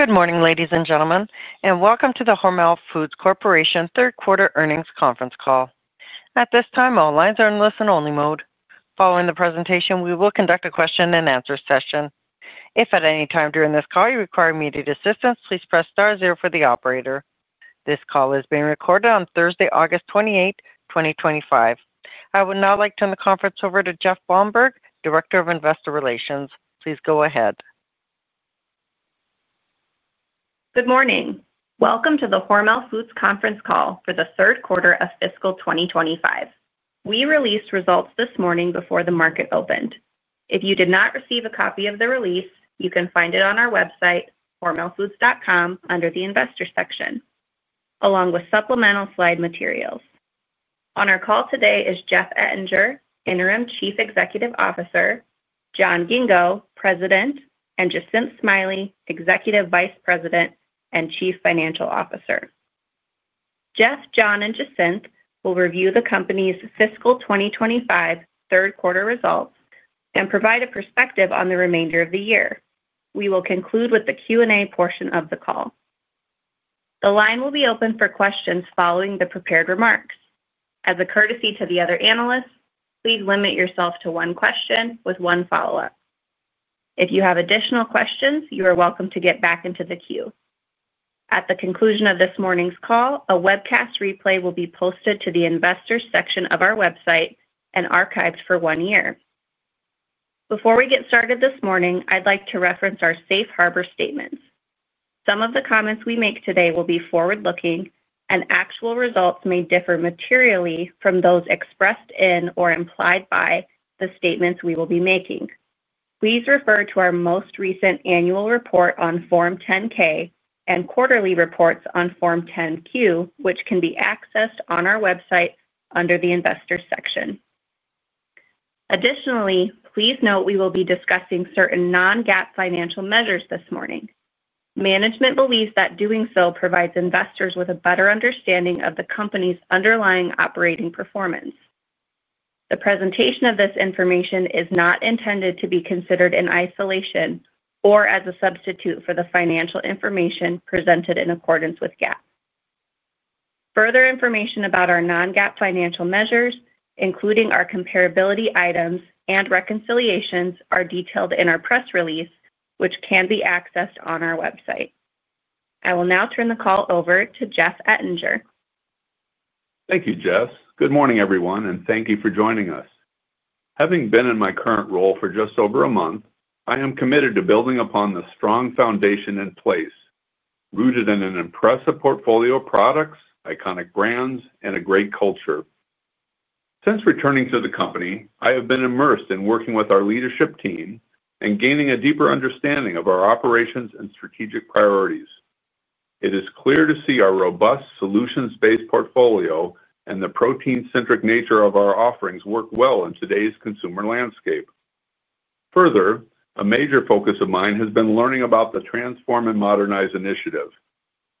Good morning, ladies and gentlemen, and welcome to the Hormel Foods Corporation Third Quarter Earnings Conference Call. At this time, all lines are in listen-only mode. Following the presentation, we will conduct a question-and-answer session. If at any time during this call you require immediate assistance, please press Star, zero for the operator. This call is being recorded on Thursday, August 28th, 2025. I would now like to turn the conference over to Jess Blomberg, Director of Investor Relations. Please go ahead. Good morning. Welcome to the Hormel Foods conference call for the third quarter of fiscal 2025. We released results this morning before the market opened. If you did not receive a copy of the release, you can find it on our website, hormelfoods.com, under the Investor section, along with supplemental slide materials. On our call today is Jeff Ettinger, Interim Chief Executive Officer, John Ghingo, President, and Jacinth Smiley, Executive Vice President and Chief Financial Officer. Jeff, John, and Jacinth will review the company's fiscal 2025 third quarter results and provide a perspective on the remainder of the year. We will conclude with the Q&A portion of the call. The line will be open for questions following the prepared remarks. As a courtesy to the other analysts, please limit yourself to one question with one follow-up. If you have additional questions, you are welcome to get back into the queue. At the conclusion of this morning's call, a webcast replay will be posted to the Investors section of our website and archives for one year. Before we get started this morning, I'd like to reference our safe harbor statements. Some of the comments we make today will be forward-looking, and actual results may differ materially from those expressed in or implied by the statements we will be making. Please refer to our most recent annual report on Form 10-K and quarterly reports on Form 10-Q, which can be accessed on our website under the Investors section. Additionally, please note we will be discussing certain non-GAAP financial measures this morning. Management believes that doing so provides investors with a better understanding of the company's underlying operating performance. The presentation of this information is not intended to be considered in isolation or as a substitute for the financial information presented in accordance with GAAP. Further information about our non-GAAP financial measures, including our comparability items and reconciliations, are detailed in our press release, which can be accessed on our website. I will now turn the call over to Jeff Ettinger. Thank you, Jess. Good morning, everyone, and thank you for joining us. Having been in my current role for just over a month, I am committed to building upon the strong foundation in place, rooted in an impressive portfolio of products, iconic brands, and a great culture. Since returning to the company, I have been immersed in working with our leadership team and gaining a deeper understanding of our operations and strategic priorities. It is clear to see our robust solutions-based portfolio and the protein-centric nature of our offerings work well in today's consumer landscape. Further, a major focus of mine has been learning about the Transform and Modernize Initiative,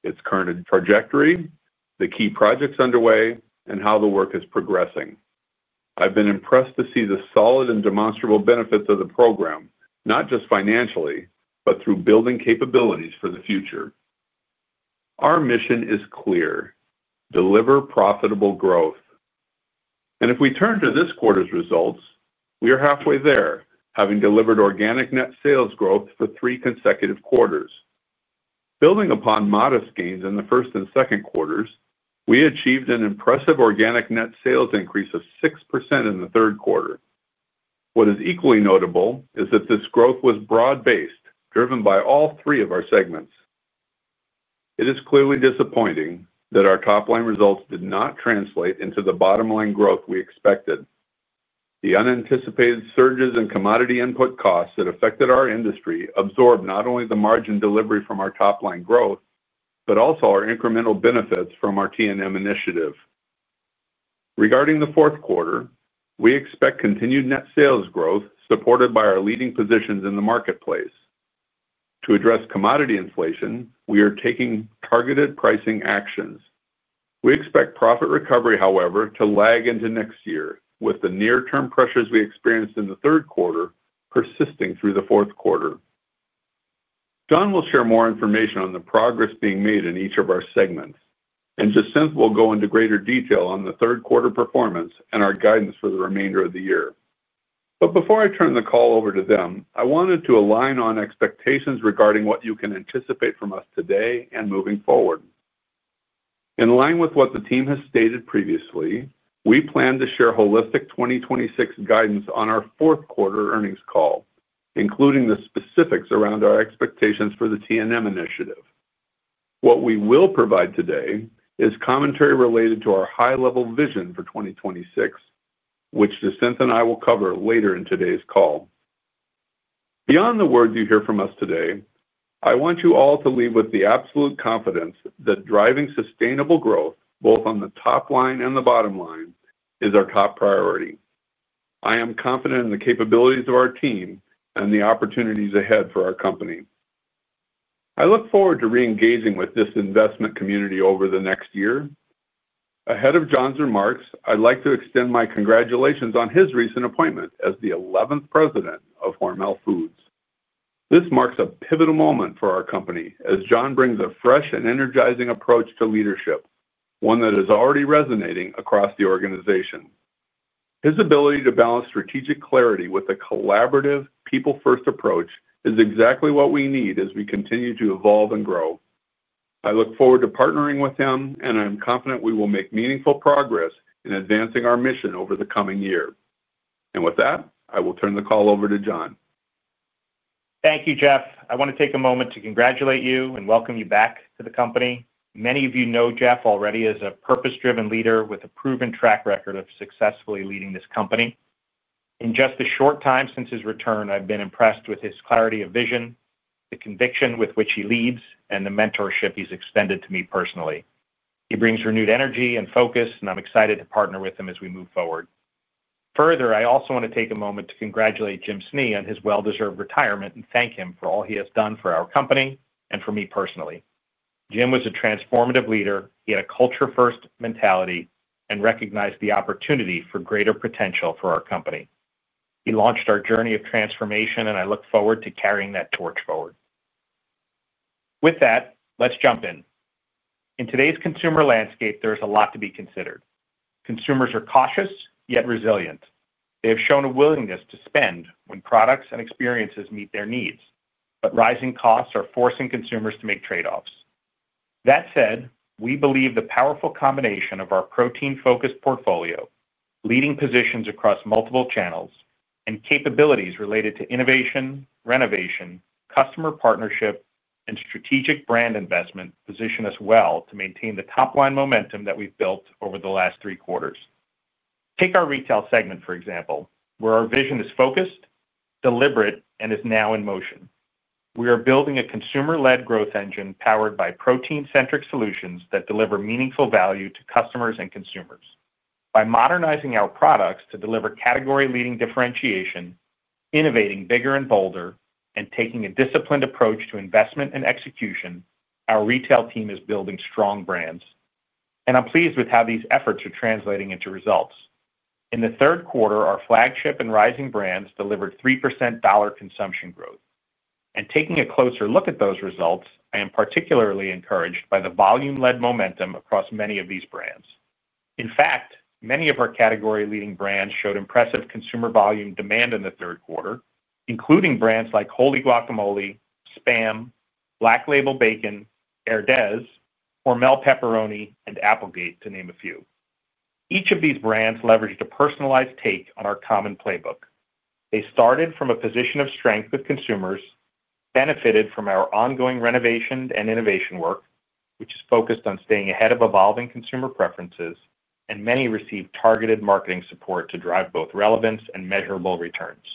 its current trajectory, the key projects underway, and how the work is progressing. I have been impressed to see the solid and demonstrable benefits of the program, not just financially, but through building capabilities for the future. Our mission is clear: deliver profitable growth. If we turn to this quarter's results, we are halfway there, having delivered organic net sales growth for three consecutive quarters. Building upon modest gains in the first and second quarters, we achieved an impressive organic net sales increase of 6% in the third quarter. What is equally notable is that this growth was broad-based, driven by all three of our segments. It is clearly disappointing that our top-line results did not translate into the bottom-line growth we expected. The unanticipated surges in commodity input costs that affected our industry absorbed not only the margin delivery from our top-line growth, but also our incremental benefits from our T&M initiative. Regarding the fourth quarter, we expect continued net sales growth, supported by our leading positions in the marketplace. To address commodity inflation, we are taking targeted pricing actions. We expect profit recovery, however, to lag into next year, with the near-term pressures we experienced in the third quarter persisting through the fourth quarter. John will share more information on the progress being made in each of our segments, and Jacinth will go into greater detail on the third quarter performance and our guidance for the remainder of the year. Before I turn the call over to them, I wanted to align on expectations regarding what you can anticipate from us today and moving forward. In line with what the team has stated previously, we plan to share holistic 2026 guidance on our fourth quarter earnings call, including the specifics around our expectations for the T&M initiative. What we will provide today is commentary related to our high-level vision for 2026, which Jacinth and I will cover later in today's call. Beyond the words you hear from us today, I want you all to leave with the absolute confidence that driving sustainable growth, both on the top line and the bottom line, is our top priority. I am confident in the capabilities of our team and the opportunities ahead for our company. I look forward to re-engaging with this investment community over the next year. Ahead of John's remarks, I'd like to extend my congratulations on his recent appointment as the 11th President of Hormel Foods. This marks a pivotal moment for our company, as John brings a fresh and energizing approach to leadership, one that is already resonating across the organization. His ability to balance strategic clarity with a collaborative, people-first approach is exactly what we need as we continue to evolve and grow. I look forward to partnering with him, and I am confident we will make meaningful progress in advancing our mission over the coming year. With that, I will turn the call over to John. Thank you, Jeff. I want to take a moment to congratulate you and welcome you back to the company. Many of you know Jeff already as a purpose-driven leader with a proven track record of successfully leading this company. In just the short time since his return, I've been impressed with his clarity of vision, the conviction with which he leads, and the mentorship he's extended to me personally. He brings renewed energy and focus, and I'm excited to partner with him as we move forward. Further, I also want to take a moment to congratulate Jim Snee on his well-deserved retirement and thank him for all he has done for our company and for me personally. Jim was a transformative leader. He had a culture-first mentality and recognized the opportunity for greater potential for our company. He launched our journey of transformation, and I look forward to carrying that torch forward. With that, let's jump in. In today's consumer landscape, there's a lot to be considered. Consumers are cautious, yet resilient. They have shown a willingness to spend when products and experiences meet their needs, but rising costs are forcing consumers to make trade-offs. That said, we believe the powerful combination of our protein-focused portfolio, leading positions across multiple channels, and capabilities related to innovation, renovation, customer partnership, and strategic brand investment position us well to maintain the top-line momentum that we've built over the last three quarters. Take our retail segment, for example, where our vision is focused, deliberate, and is now in motion. We are building a consumer-led growth engine powered by protein-centric solutions that deliver meaningful value to customers and consumers. By modernizing our products to deliver category-leading differentiation, innovating bigger and bolder, and taking a disciplined approach to investment and execution, our retail team is building strong brands, and I'm pleased with how these efforts are translating into results. In the third quarter, our flagship and rising brands delivered 3% dollar consumption growth. Taking a closer look at those results, I am particularly encouraged by the volume-led momentum across many of these brands. In fact, many of our category-leading brands showed impressive consumer volume demand in the third quarter, including brands like Holy Guacamole, Spam, Black Label Bacon, Herdez, Hormel Pepperoni, and Applegate, to name a few. Each of these brands leveraged a personalized take on our common playbook. They started from a position of strength with consumers, benefited from our ongoing renovation and innovation work, which is focused on staying ahead of evolving consumer preferences, and many received targeted marketing support to drive both relevance and measurable returns.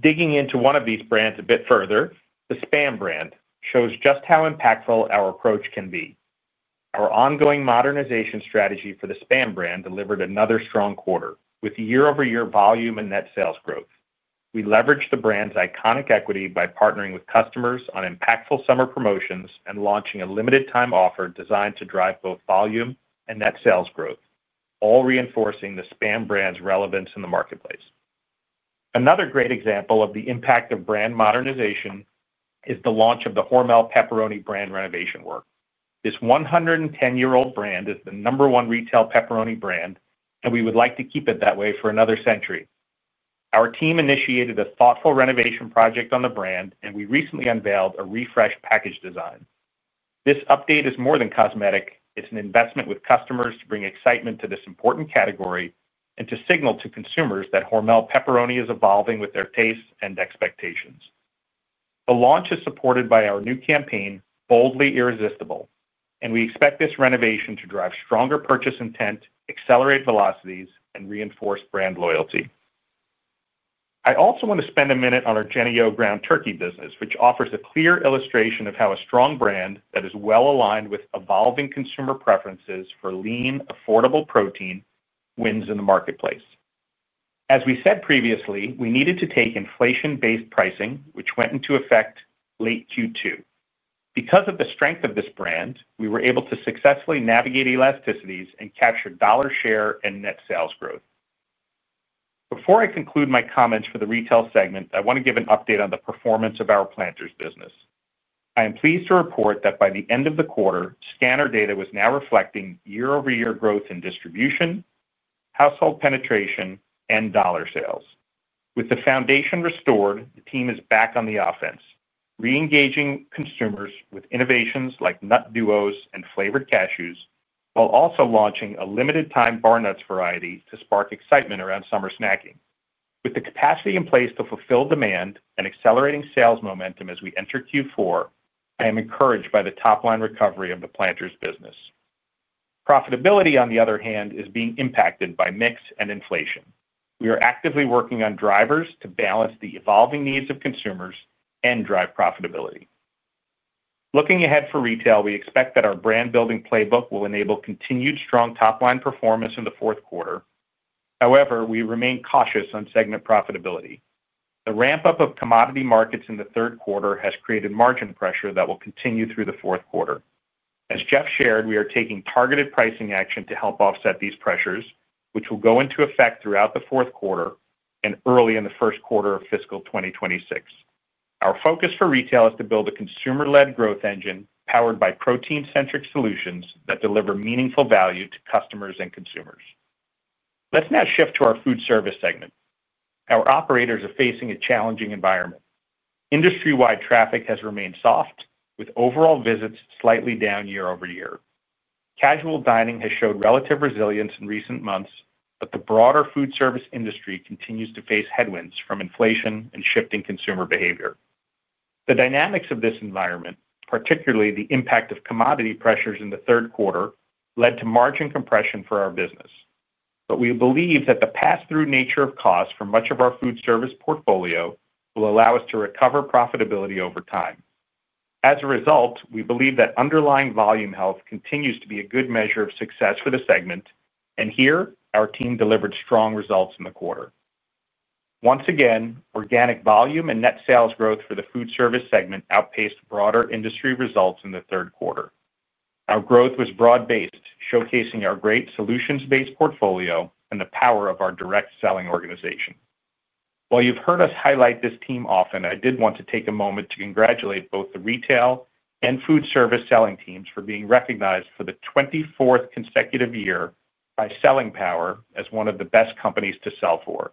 Digging into one of these brands a bit further, the Spam brand shows just how impactful our approach can be. Our ongoing modernization strategy for the Spam brand delivered another strong quarter with year-over-year volume and net sales growth. We leveraged the brand's iconic equity by partnering with customers on impactful summer promotions and launching a limited-time offer designed to drive both volume and net sales growth, all reinforcing the Spam brand's relevance in the marketplace. Another great example of the impact of brand modernization is the launch of the Hormel Pepperoni brand renovation work. This 110-year-old brand is the number one retail pepperoni brand, and we would like to keep it that way for another century. Our team initiated a thoughtful renovation project on the brand, and we recently unveiled a refreshed package design. This update is more than cosmetic, it is an investment with customers to bring excitement to this important category and to signal to consumers that Hormel Pepperoni is evolving with their tastes and expectations. The launch is supported by our new campaign, Boldly Irresistible, and we expect this renovation to drive stronger purchase intent, accelerate velocities, and reinforce brand loyalty. I also want to spend a minute on our Jennie-O ground turkey business, which offers a clear illustration of how a strong brand that is well-aligned with evolving consumer preferences for lean, affordable protein wins in the marketplace. As we said previously, we needed to take inflation-based pricing, which went into effect late Q2. Because of the strength of this brand, we were able to successfully navigate elasticities and capture dollar share and net sales growth. Before I conclude my comments for the retail segment, I want to give an update on the performance of our Planters business. I am pleased to report that by the end of the quarter, scanner data was now reflecting year-over-year growth in distribution, household penetration, and dollar sales. With the foundation restored, the team is back on the offense, re-engaging consumers with innovations like nut duos and flavored cashews, while also launching a limited-time bar nuts variety to spark excitement around summer snacking. With the capacity in place to fulfill demand and accelerating sales momentum as we enter Q4, I am encouraged by the top-line recovery of the Planters business. Profitability, on the other hand, is being impacted by mix and inflation. We are actively working on drivers to balance the evolving needs of consumers and drive profitability. Looking ahead for retail, we expect that our brand-building playbook will enable continued strong top-line performance in the fourth quarter. However, we remain cautious on segment profitability. The ramp-up of commodity markets in the third quarter has created margin pressure that will continue through the fourth quarter. As Jeff shared, we are taking targeted pricing action to help offset these pressures, which will go into effect throughout the fourth quarter and early in the first quarter of fiscal 2026. Our focus for retail is to build a consumer-led growth engine powered by protein-centric solutions that deliver meaningful value to customers and consumers. Let's now shift to our food service segment. Our operators are facing a challenging environment. Industry-wide traffic has remained soft, with overall visits slightly down year over year. Casual dining has shown relative resilience in recent months, but the broader food service industry continues to face headwinds from inflation and shifting consumer behavior. The dynamics of this environment, particularly the impact of commodity pressures in the third quarter, led to margin compression for our business. We believe that the pass-through nature of costs for much of our food service portfolio will allow us to recover profitability over time. As a result, we believe that underlying volume health continues to be a good measure of success for the segment, and here our team delivered strong results in the quarter. Once again, organic volume and net sales growth for the food service segment outpaced broader industry results in the third quarter. Our growth was broad-based, showcasing our great solutions-based portfolio and the power of our direct selling organization. While you've heard us highlight this team often, I did want to take a moment to congratulate both the retail and food service selling teams for being recognized for the 24th consecutive year by Selling Power as one of the best companies to sell for.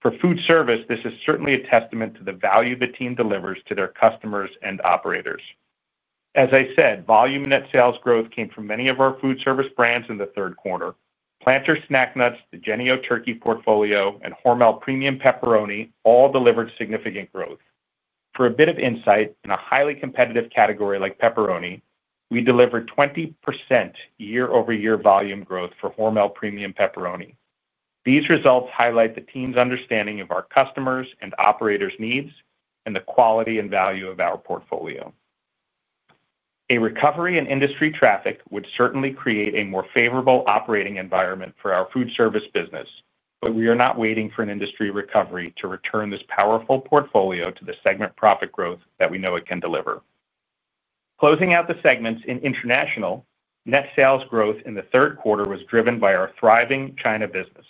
For food service, this is certainly a testament to the value the team delivers to their customers and operators. As I said, volume net sales growth came from many of our food service brands in the third quarter. Planters Snack Nuts, the Jennie-O Turkey portfolio, and Hormel Premium Pepperoni all delivered significant growth. For a bit of insight, in a highly competitive category like pepperoni, we delivered 20% year-over-year volume growth for Hormel Premium Pepperoni. These results highlight the team's understanding of our customers' and operators' needs and the quality and value of our portfolio. A recovery in industry traffic would certainly create a more favorable operating environment for our food service business, but we are not waiting for an industry recovery to return this powerful portfolio to the segment profit growth that we know it can deliver. Closing out the segments in international, net sales growth in the third quarter was driven by our thriving China business.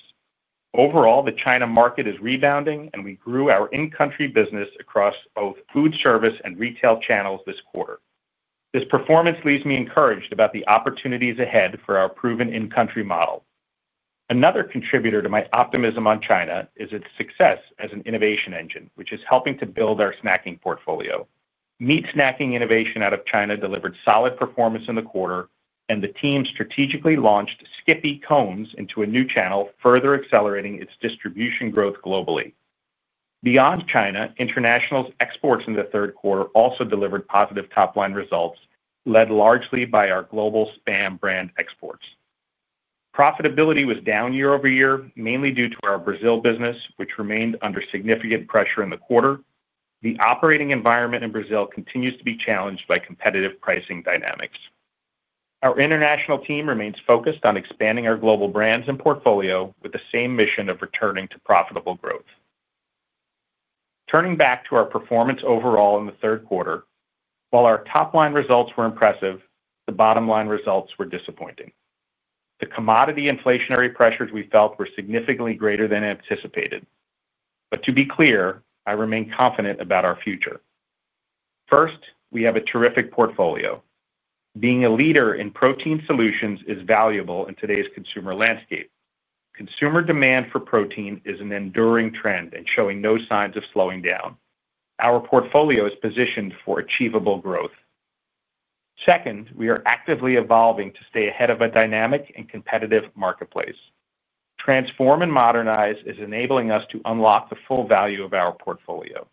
Overall, the China market is rebounding, and we grew our in-country business across both food service and retail channels this quarter. This performance leaves me encouraged about the opportunities ahead for our proven in-country model. Another contributor to my optimism on China is its success as an innovation engine, which is helping to build our snacking portfolio. Meat snacking innovation out of China delivered solid performance in the quarter, and the team strategically launched SKIPPY Cones into a new channel, further accelerating its distribution growth globally. Beyond China, international exports in the third quarter also delivered positive top-line results, led largely by our global Spam brand exports. Profitability was down year-over-year, mainly due to our Brazil business, which remained under significant pressure in the quarter. The operating environment in Brazil continues to be challenged by competitive pricing dynamics. Our international team remains focused on expanding our global brands and portfolio with the same mission of returning to profitable growth. Turning back to our performance overall in the third quarter, while our top-line results were impressive, the bottom-line results were disappointing. The commodity inflationary pressures we felt were significantly greater than anticipated. To be clear, I remain confident about our future. First, we have a terrific portfolio. Being a leader in protein solutions is valuable in today's consumer landscape. Consumer demand for protein is an enduring trend and showing no signs of slowing down. Our portfolio is positioned for achievable growth. Second, we are actively evolving to stay ahead of a dynamic and competitive marketplace. Transform & Modernize is enabling us to unlock the full value of our portfolio.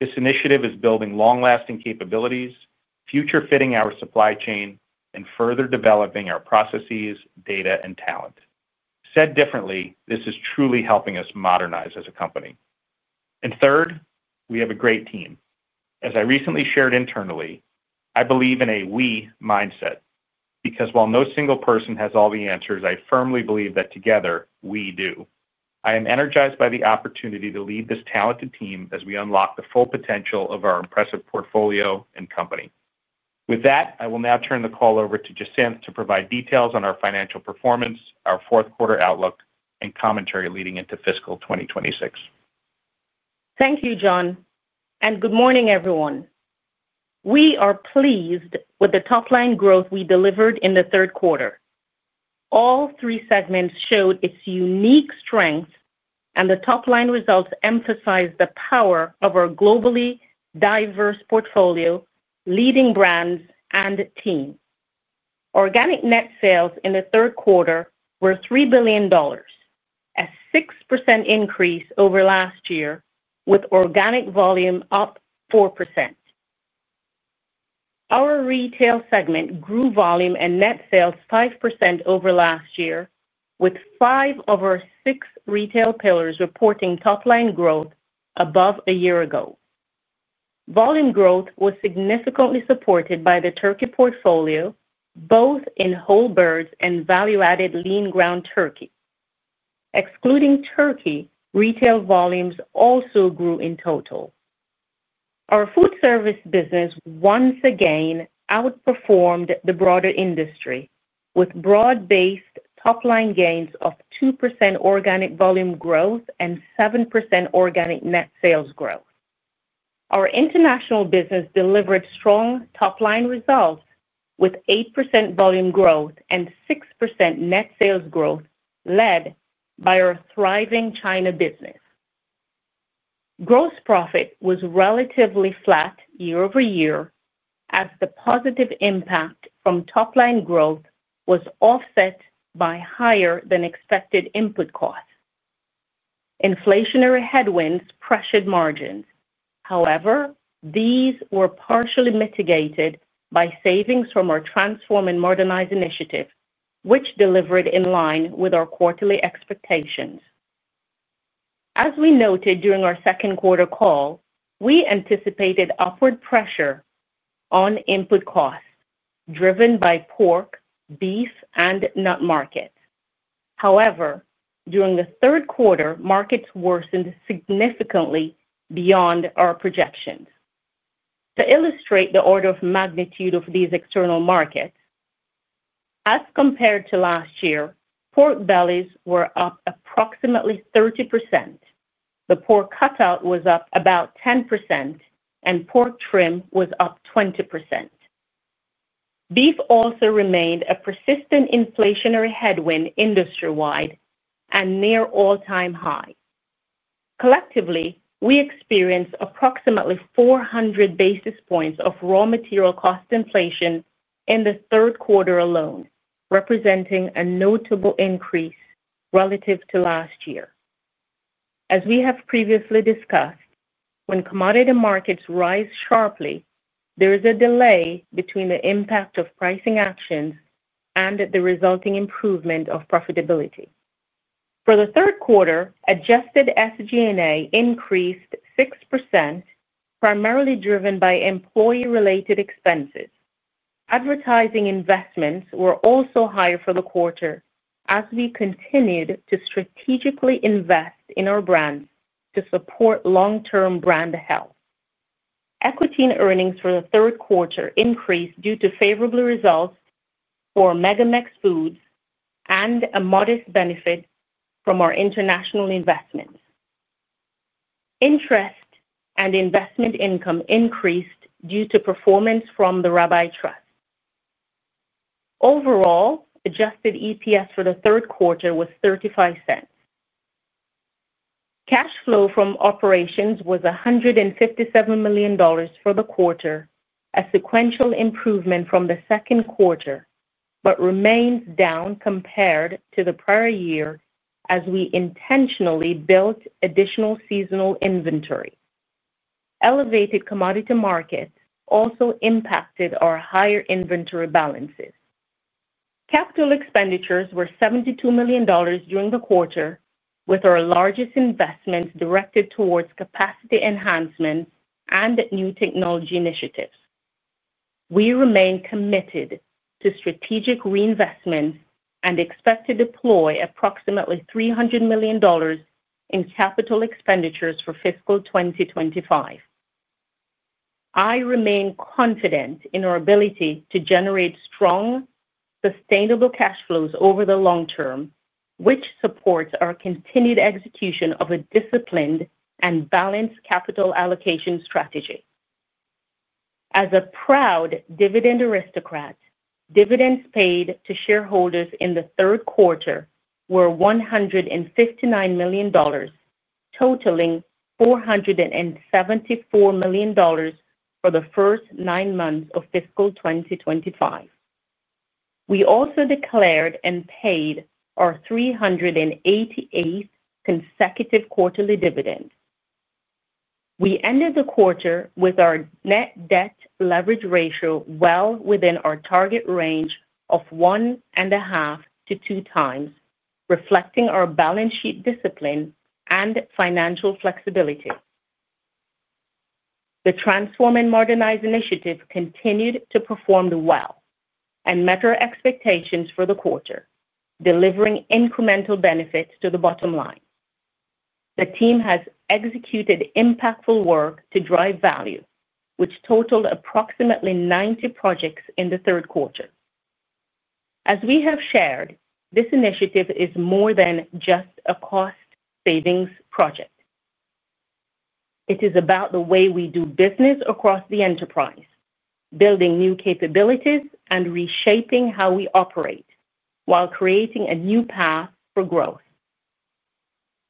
This initiative is building long-lasting capabilities, future-fitting our supply chain, and further developing our processes, data, and talent. Said differently, this is truly helping us modernize as a company. Third, we have a great team. As I recently shared internally, I believe in a "we" mindset. While no single person has all the answers, I firmly believe that together, we do. I am energized by the opportunity to lead this talented team as we unlock the full potential of our impressive portfolio and company. With that, I will now turn the call over to Jacinth to provide details on our financial performance, our fourth quarter outlook, and commentary leading into fiscal 2026. Thank you, John, and good morning, everyone. We are pleased with the top-line growth we delivered in the third quarter. All three segments showed its unique strength, and the top-line results emphasize the power of our globally diverse portfolio, leading brands, and team. Organic net sales in the third quarter were $3 billion, a 6% increase over last year, with organic volume up 4%. Our retail segment grew volume and net sales 5% over last year, with five of our six retail pillars reporting top-line growth above a year ago. Volume growth was significantly supported by the turkey portfolio, both in whole birds and value-added lean ground turkey. Excluding turkey, retail volumes also grew in total. Our food service business once again outperformed the broader industry, with broad-based top-line gains of 2% organic volume growth and 7% organic net sales growth. Our international business delivered strong top-line results with 8% volume growth and 6% net sales growth, led by our thriving China business. Gross profit was relatively flat year over year, as the positive impact from top-line growth was offset by higher-than-expected input costs. Inflationary headwinds pressured margins, however, these were partially mitigated by savings from our Transform & Modernize Initiative, which delivered in line with our quarterly expectations. As we noted during our second quarter call, we anticipated upward pressure on input costs, driven by pork, beef, and nut markets. However, during the third quarter, markets worsened significantly beyond our projections. To illustrate the order of magnitude of these external markets, as compared to last year, pork bellies were up approximately 30%, the pork cutout was up about 10%, and pork trim was up 20%. Beef also remained a persistent inflationary headwind industry-wide and near all-time high. Collectively, we experienced approximately 400 basis points of raw material cost inflation in the third quarter alone, representing a notable increase relative to last year. As we have previously discussed, when commodity markets rise sharply, there is a delay between the impact of pricing actions and the resulting improvement of profitability. For the third quarter, adjusted SG&A increased 6%, primarily driven by employee-related expenses. Advertising investments were also higher for the quarter, as we continued to strategically invest in our brands to support long-term brand health. Equity in earnings for the third quarter increased due to favorable results for MegaMex Foods and a modest benefit from our international investments. Interest and investment income increased due to performance from the Rabbi Trust. Overall, adjusted EPS for the third quarter was $0.35. Cash flow from operations was $157 million for the quarter, a sequential improvement from the second quarter, but remained down compared to the prior year as we intentionally built additional seasonal inventory. Elevated commodity markets also impacted our higher inventory balances. Capital expenditures were $72 million during the quarter, with our largest investments directed towards capacity enhancement and new technology initiatives. We remain committed to strategic reinvestment and expect to deploy approximately $300 million in capital expenditures for fiscal 2025. I remain confident in our ability to generate strong, sustainable cash flows over the long term, which supports our continued execution of a disciplined and balanced capital allocation strategy. As a proud dividend aristocrat, dividends paid to shareholders in the third quarter were $159 million, totaling $474 million for the first nine months of fiscal 2025. We also declared and paid our 388th consecutive quarterly dividend. We ended the quarter with our net debt leverage ratio well within our target range of 1.5x-2x reflecting our balance sheet discipline and financial flexibility. The Transform & Modernize Initiative continued to perform well and met our expectations for the quarter, delivering incremental benefits to the bottom line. The team has executed impactful work to drive value, which totaled approximately 90 projects in the third quarter. As we have shared, this initiative is more than just a cost-savings project. It is about the way we do business across the enterprise, building new capabilities and reshaping how we operate while creating a new path for growth.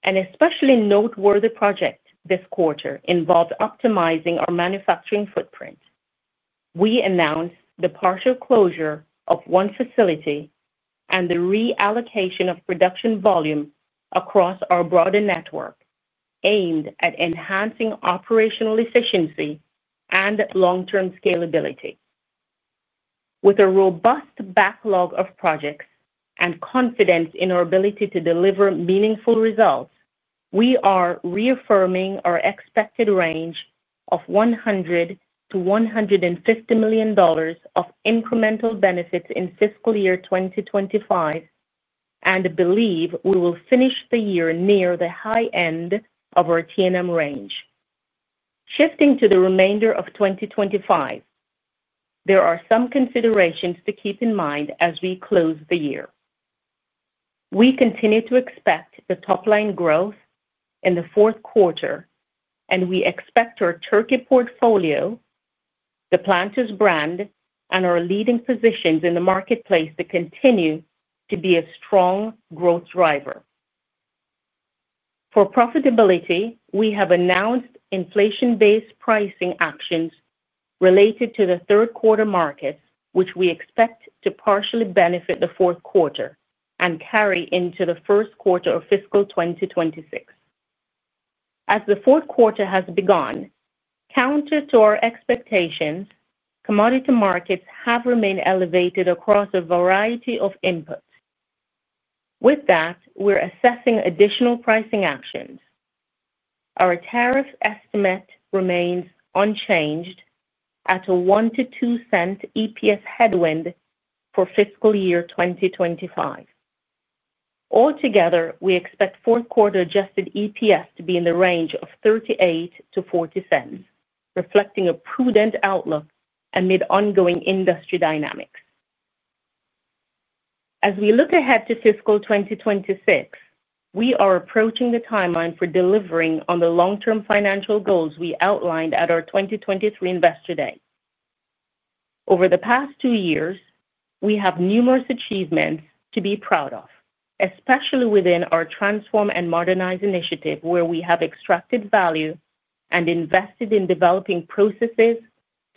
An especially noteworthy project this quarter involved optimizing our manufacturing footprint. We announced the partial closure of one facility and the reallocation of production volume across our broader network, aimed at enhancing operational efficiency and long-term scalability. With a robust backlog of projects and confidence in our ability to deliver meaningful results, we are reaffirming our expected range of $100 million-$150 million of incremental benefits in fiscal year 2025 and believe we will finish the year near the high end of our T&M range. Shifting to the remainder of 2025, there are some considerations to keep in mind as we close the year. We continue to expect top-line growth in the fourth quarter, and we expect our turkey portfolio, the Planters brand, and our leading positions in the marketplace to continue to be a strong growth driver. For profitability, we have announced inflation-based pricing actions related to the third quarter markets, which we expect to partially benefit the fourth quarter and carry into the first quarter of fiscal 2026. As the fourth quarter has begun, counter to our expectations, commodity markets have remained elevated across a variety of inputs. With that, we're assessing additional pricing actions. Our tariff estimate remains unchanged at a $0.01-$0.02 EPS headwind for fiscal year 2025. Altogether, we expect fourth quarter adjusted EPS to be in the range of $0.38-$0.40, reflecting a prudent outlook amid ongoing industry dynamics. As we look ahead to fiscal 2026, we are approaching the timeline for delivering on the long-term financial goals we outlined at our 2023 Investor Day. Over the past two years, we have numerous achievements to be proud of, especially within our Transform & Modernize Initiative, where we have extracted value and invested in developing processes,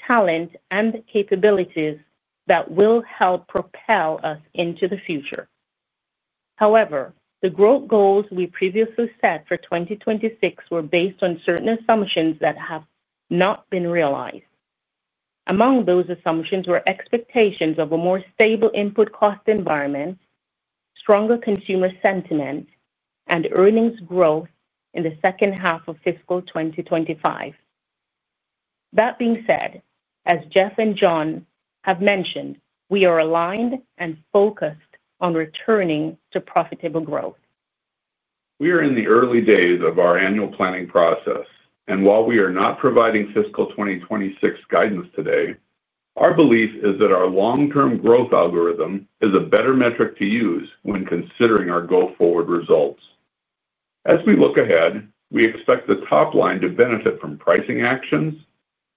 talent, and capabilities that will help propel us into the future. However, the growth goals we previously set for 2026 were based on certain assumptions that have not been realized. Among those assumptions were expectations of a more stable input cost environment, stronger consumer sentiment, and earnings growth in the second half of fiscal 2025. That being said, as Jeff and John have mentioned, we are aligned and focused on returning to profitable growth. We are in the early days of our annual planning process, and while we are not providing fiscal 2026 guidance today, our belief is that our long-term growth algorithm is a better metric to use when considering our go-forward results. As we look ahead, we expect the top line to benefit from pricing actions,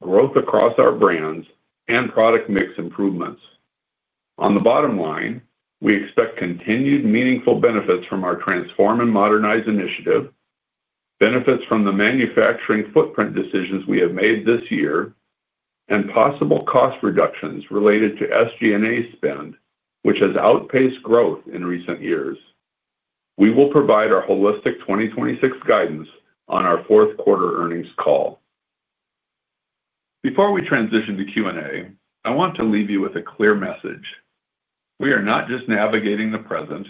growth across our brands, and product mix improvements. On the bottom line, we expect continued meaningful benefits from our Transform & Modernize Initiative, benefits from the manufacturing footprint decisions we have made this year, and possible cost reductions related to SG&A spend, which has outpaced growth in recent years. We will provide our holistic 2026 guidance on our fourth quarter earnings call. Before we transition to Q&A, I want to leave you with a clear message: we are not just navigating the present,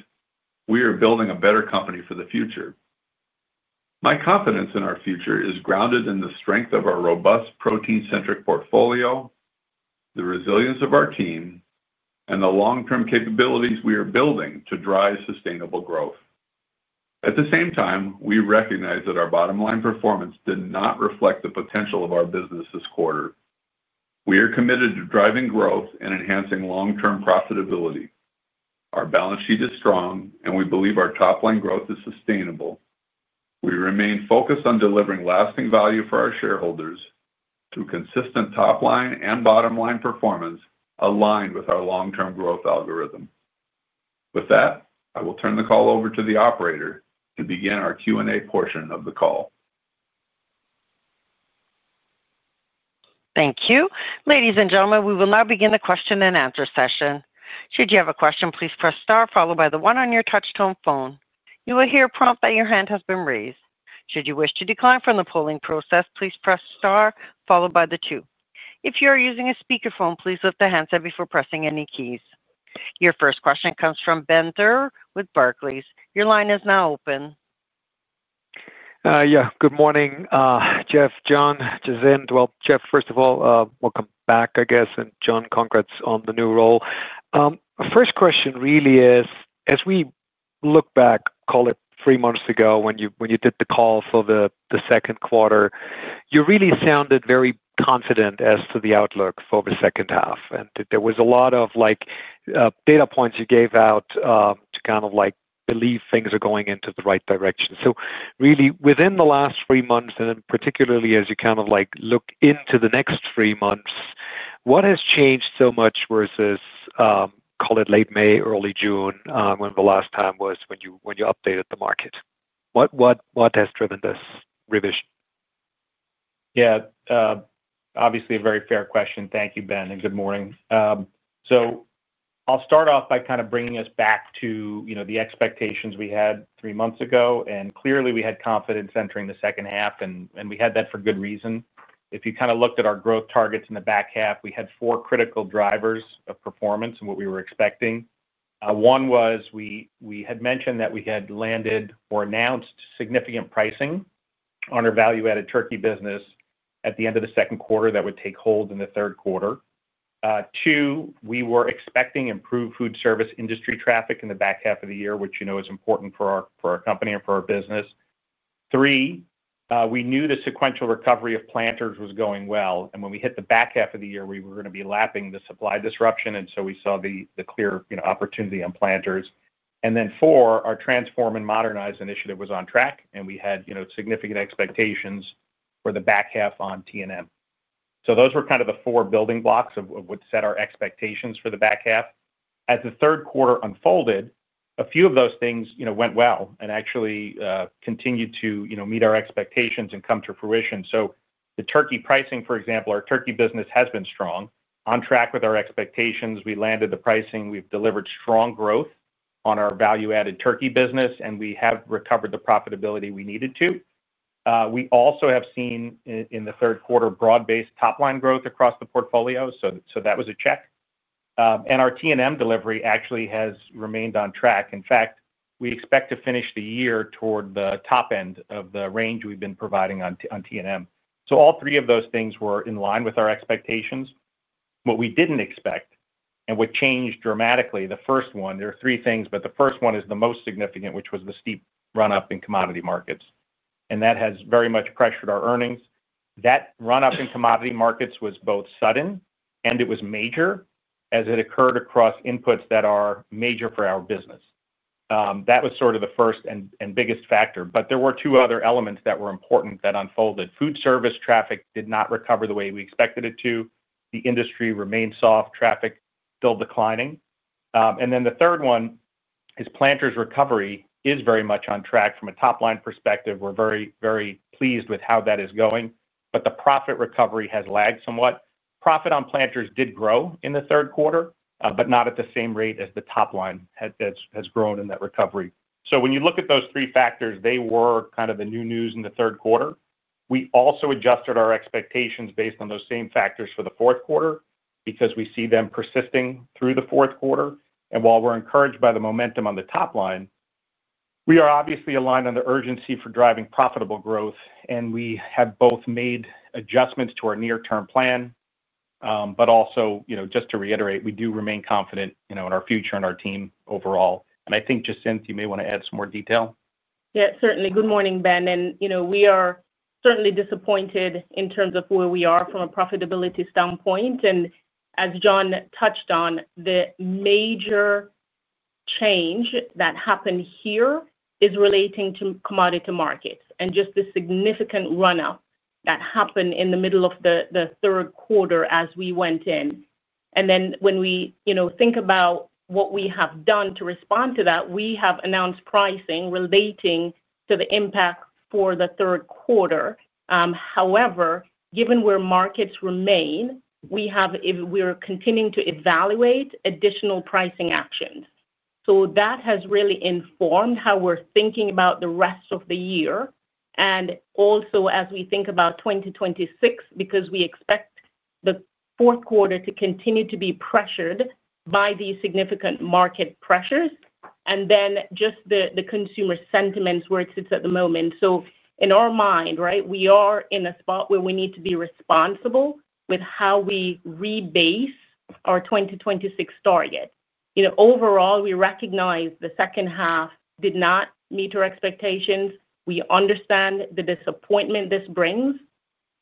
we are building a better company for the future. My confidence in our future is grounded in the strength of our robust protein-centric portfolio, the resilience of our team, and the long-term capabilities we are building to drive sustainable growth. At the same time, we recognize that our bottom-line performance did not reflect the potential of our business this quarter. We are committed to driving growth and enhancing long-term profitability. Our balance sheet is strong, and we believe our top-line growth is sustainable. We remain focused on delivering lasting value for our shareholders through consistent top-line and bottom-line performance aligned with our long-term growth algorithm. With that, I will turn the call over to the operator to begin our Q&A portion of the call. Thank you. Ladies and gentlemen, we will now begin the question-and-answer session. Should you have a question, please press Star followed by the one on your touch-tone phone. You will hear a prompt that your hand has been raised. Should you wish to decline from the polling process, please press Star followed by the two. If you are using a speakerphone, please lift the handset before pressing any keys. Your first question comes from Ben Theurer with Barclays. Your line is now open. Good morning, Jeff, John, Jacinth. Jeff, first of all, welcome back, I guess, and John, congrats on the new role. Our first question really is, as we look back, call it three months ago, when you did the call for the second quarter, you really sounded very confident as to the outlook for the second half. There were a lot of data points you gave out to kind of believe things are going in the right direction. Within the last three months, and particularly as you look into the next three months, what has changed so much versus, call it late May, early June, when the last time was when you updated the market? What has driven this revision? Yeah, obviously a very fair question. Thank you, Ben, and good morning. I'll start off by kind of bringing us back to the expectations we had three months ago, and clearly we had confidence entering the second half, and we had that for good reason. If you kind of looked at our growth targets in the back half, we had four critical drivers of performance and what we were expecting. One was we had mentioned that we had landed or announced significant pricing on our value-added turkey business at the end of the second quarter that would take hold in the third quarter. Two, we were expecting improved food service industry traffic in the back half of the year, which you know is important for our company and for our business. Three, we knew the sequential recovery of Planters was going well, and when we hit the back half of the year, we were going to be lapping the supply disruption, and we saw the clear opportunity on Planters. Four, our Transform & Modernize Initiative was on track, and we had significant expectations for the back half on T&M. Those were kind of the four building blocks of what set our expectations for the back half. As the third quarter unfolded, a few of those things went well and actually continued to meet our expectations and come to fruition. The turkey pricing, for example, our turkey business has been strong, on track with our expectations. We landed the pricing, we've delivered strong growth on our value-added turkey business, and we have recovered the profitability we needed to. We also have seen in the third quarter broad-based top-line growth across the portfolio, so that was a check. Our T&M delivery actually has remained on track. In fact, we expect to finish the year toward the top end of the range we've been providing on T&M. All three of those things were in line with our expectations. What we didn't expect and what changed dramatically, the first one, there are three things, but the first one is the most significant, which was the steep run-up in commodity markets. That has very much pressured our earnings. That run-up in commodity markets was both sudden and it was major as it occurred across inputs that are major for our business. That was the first and biggest factor, but there were two other elements that were important that unfolded. Food service traffic did not recover the way we expected it to. The industry remained soft, traffic still declining. The third one is Planters' recovery is very much on track from a top-line perspective. We're very, very pleased with how that is going, but the profit recovery has lagged somewhat. Profit on Planters did grow in the third quarter, but not at the same rate as the top line has grown in that recovery. When you look at those three factors, they were kind of the new news in the third quarter. We also adjusted our expectations based on those same factors for the fourth quarter because we see them persisting through the fourth quarter. While we're encouraged by the momentum on the top line, we are obviously aligned on the urgency for driving profitable growth, and we have both made adjustments to our near-term plan, but also, you know, just to reiterate, we do remain confident, you know, in our future and our team overall. I think, Jacinth, you may want to add some more detail. Yeah, certainly. Good morning, Ben. We are certainly disappointed in terms of where we are from a profitability standpoint. As John touched on, the major change that happened here is relating to commodity markets and just the significant run-up that happened in the middle of the third quarter as we went in. When we think about what we have done to respond to that, we have announced pricing relating to the impact for the third quarter. However, given where markets remain, we are continuing to evaluate additional pricing actions. That has really informed how we're thinking about the rest of the year. Also, as we think about fiscal 2026, we expect the fourth quarter to continue to be pressured by these significant market pressures, and just the consumer sentiments where it sits at the moment. In our mind, we are in a spot where we need to be responsible with how we rebase our 2026 target. Overall, we recognize the second half did not meet our expectations. We understand the disappointment this brings.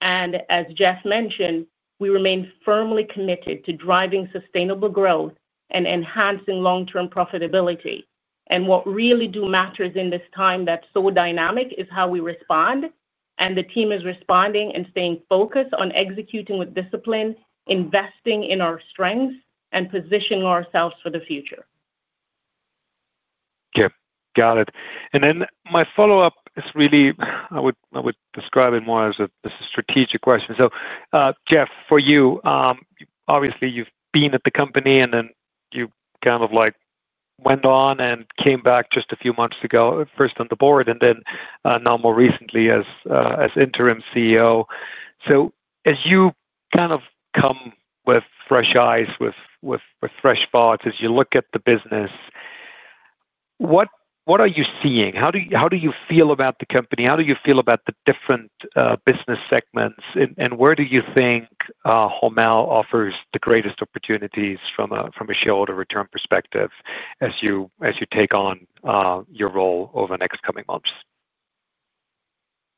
As Jeff mentioned, we remain firmly committed to driving sustainable growth and enhancing long-term profitability. What really matters in this time that's so dynamic is how we respond. The team is responding and staying focused on executing with discipline, investing in our strengths, and positioning ourselves for the future. Got it. My follow-up is really, I would describe it more as a strategic question. Jeff, for you, obviously you've been at the company and then you kind of went on and came back just a few months ago, first on the board, and now more recently as Interim CEO. As you come with fresh eyes, with fresh thoughts, as you look at the business, what are you seeing? How do you feel about the company? How do you feel about the different business segments? Where do you think Hormel offers the greatest opportunities from a shareholder return perspective as you take on your role over the next coming months?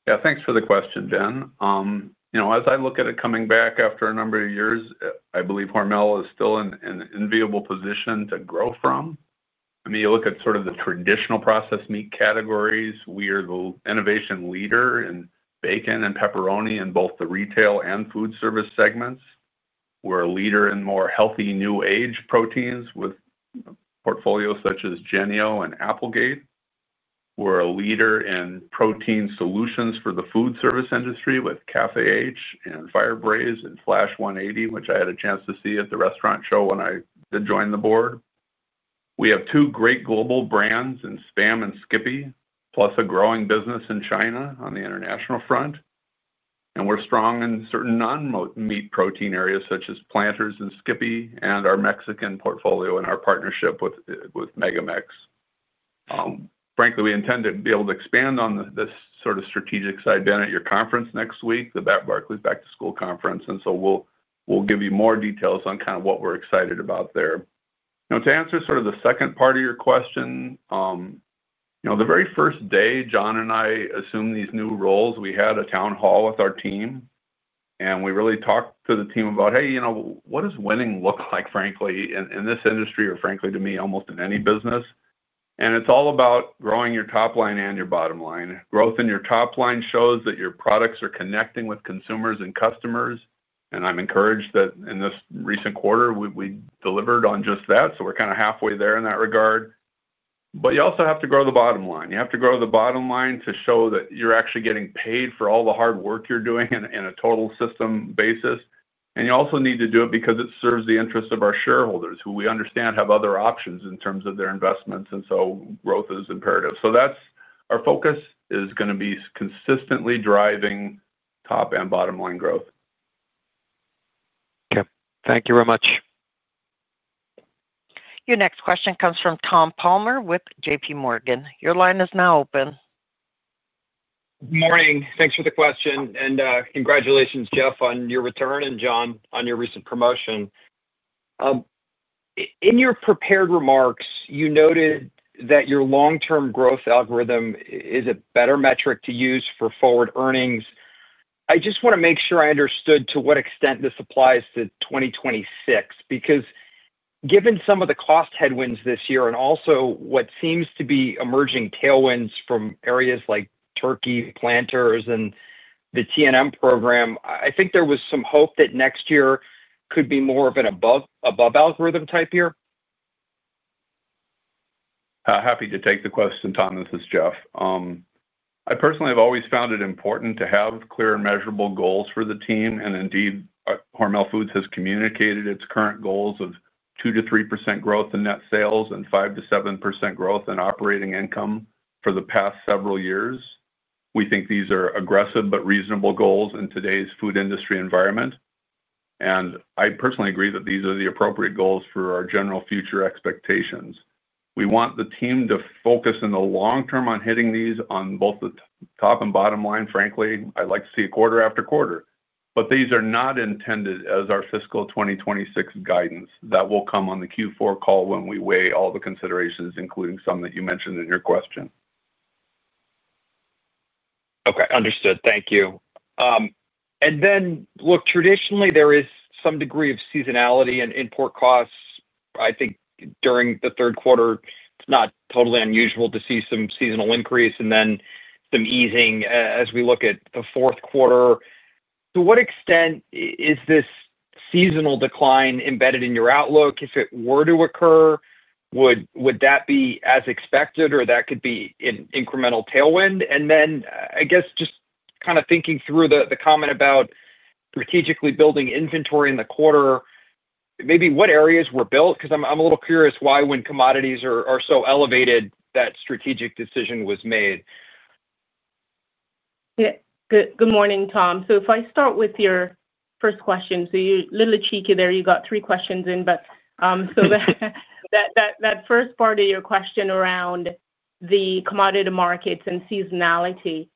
Yeah, thanks for the question, Ben. As I look at it coming back after a number of years, I believe Hormel is still in an enviable position to grow from. I mean, you look at sort of the traditional processed meat categories. We are the innovation leader in bacon and Hormel Pepperoni in both the retail and food service segments. We're a leader in more healthy new age proteins with portfolios such as Jennie-O and Applegate. We're a leader in protein solutions for the food service industry with Café H and Fire Braised and Flash 180, which I had a chance to see at the restaurant show when I joined the board. We have two great global brands in Spam and SKIPPY, plus a growing business in China on the international front. We're strong in certain non-meat protein areas such as Planters and SKIPPY and our Mexican portfolio and our partnership with MegaMex. Frankly, we intend to be able to expand on this sort of strategic side down at your conference next week, the Barclays Bank Back to School Conference. We will give you more details on what we're excited about there. To answer the second part of your question, the very first day John and I assumed these new roles, we had a town hall with our team. We really talked to the team about, hey, what does winning look like, frankly, in this industry, or frankly, to me, almost in any business? It's all about growing your top line and your bottom line. Growth in your top line shows that your products are connecting with consumers and customers. I'm encouraged that in this recent quarter, we delivered on just that. We're kind of halfway there in that regard. You also have to grow the bottom line. You have to grow the bottom line to show that you're actually getting paid for all the hard work you're doing in a total system basis. You also need to do it because it serves the interests of our shareholders, who we understand have other options in terms of their investments. Growth is imperative. That's our focus, going to be consistently driving top and bottom line growth. Okay, thank you very much. Your next question comes from Tom Palmer with JPMorgan. Your line is now open. Morning. Thanks for the question. Congratulations, Jeff, on your return and John on your recent promotion. In your prepared remarks, you noted that your long-term growth algorithm is a better metric to use for forward earnings. I just want to make sure I understood to what extent this applies to 2026, because given some of the cost headwinds this year and also what seems to be emerging tailwinds from areas like turkey, Planters, and the T&M program, I think there was some hope that next year could be more of an above-above algorithm type year. Happy to take the question, Tom. This is Jeff. I personally have always found it important to have clear and measurable goals for the team. Indeed, Hormel Foods has communicated its current goals of 2%-3% growth in net sales and 5%-7% growth in operating income for the past several years. We think these are aggressive but reasonable goals in today's food industry environment. I personally agree that these are the appropriate goals for our general future expectations. We want the team to focus in the long term on hitting these on both the top and bottom line. Frankly, I'd like to see it quarter after quarter. These are not intended as our fiscal 2026 guidance. That will come on the Q4 call when we weigh all the considerations, including some that you mentioned in your question. Okay, understood. Thank you. Traditionally, there is some degree of seasonality in import costs. I think during the third quarter, it's not totally unusual to see some seasonal increase and then some easing as we look at the fourth quarter. To what extent is this seasonal decline embedded in your outlook? If it were to occur, would that be as expected or could that be an incremental tailwind? I guess, just kind of thinking through the comment about strategically building inventory in the quarter, maybe what areas were built? I'm a little curious why, when commodities are so elevated, that strategic decision was made. Yeah, good morning, Tom. If I start with your first question, you were a little cheeky there. You got three questions in, but that first part of your question around the commodity markets and seasonality,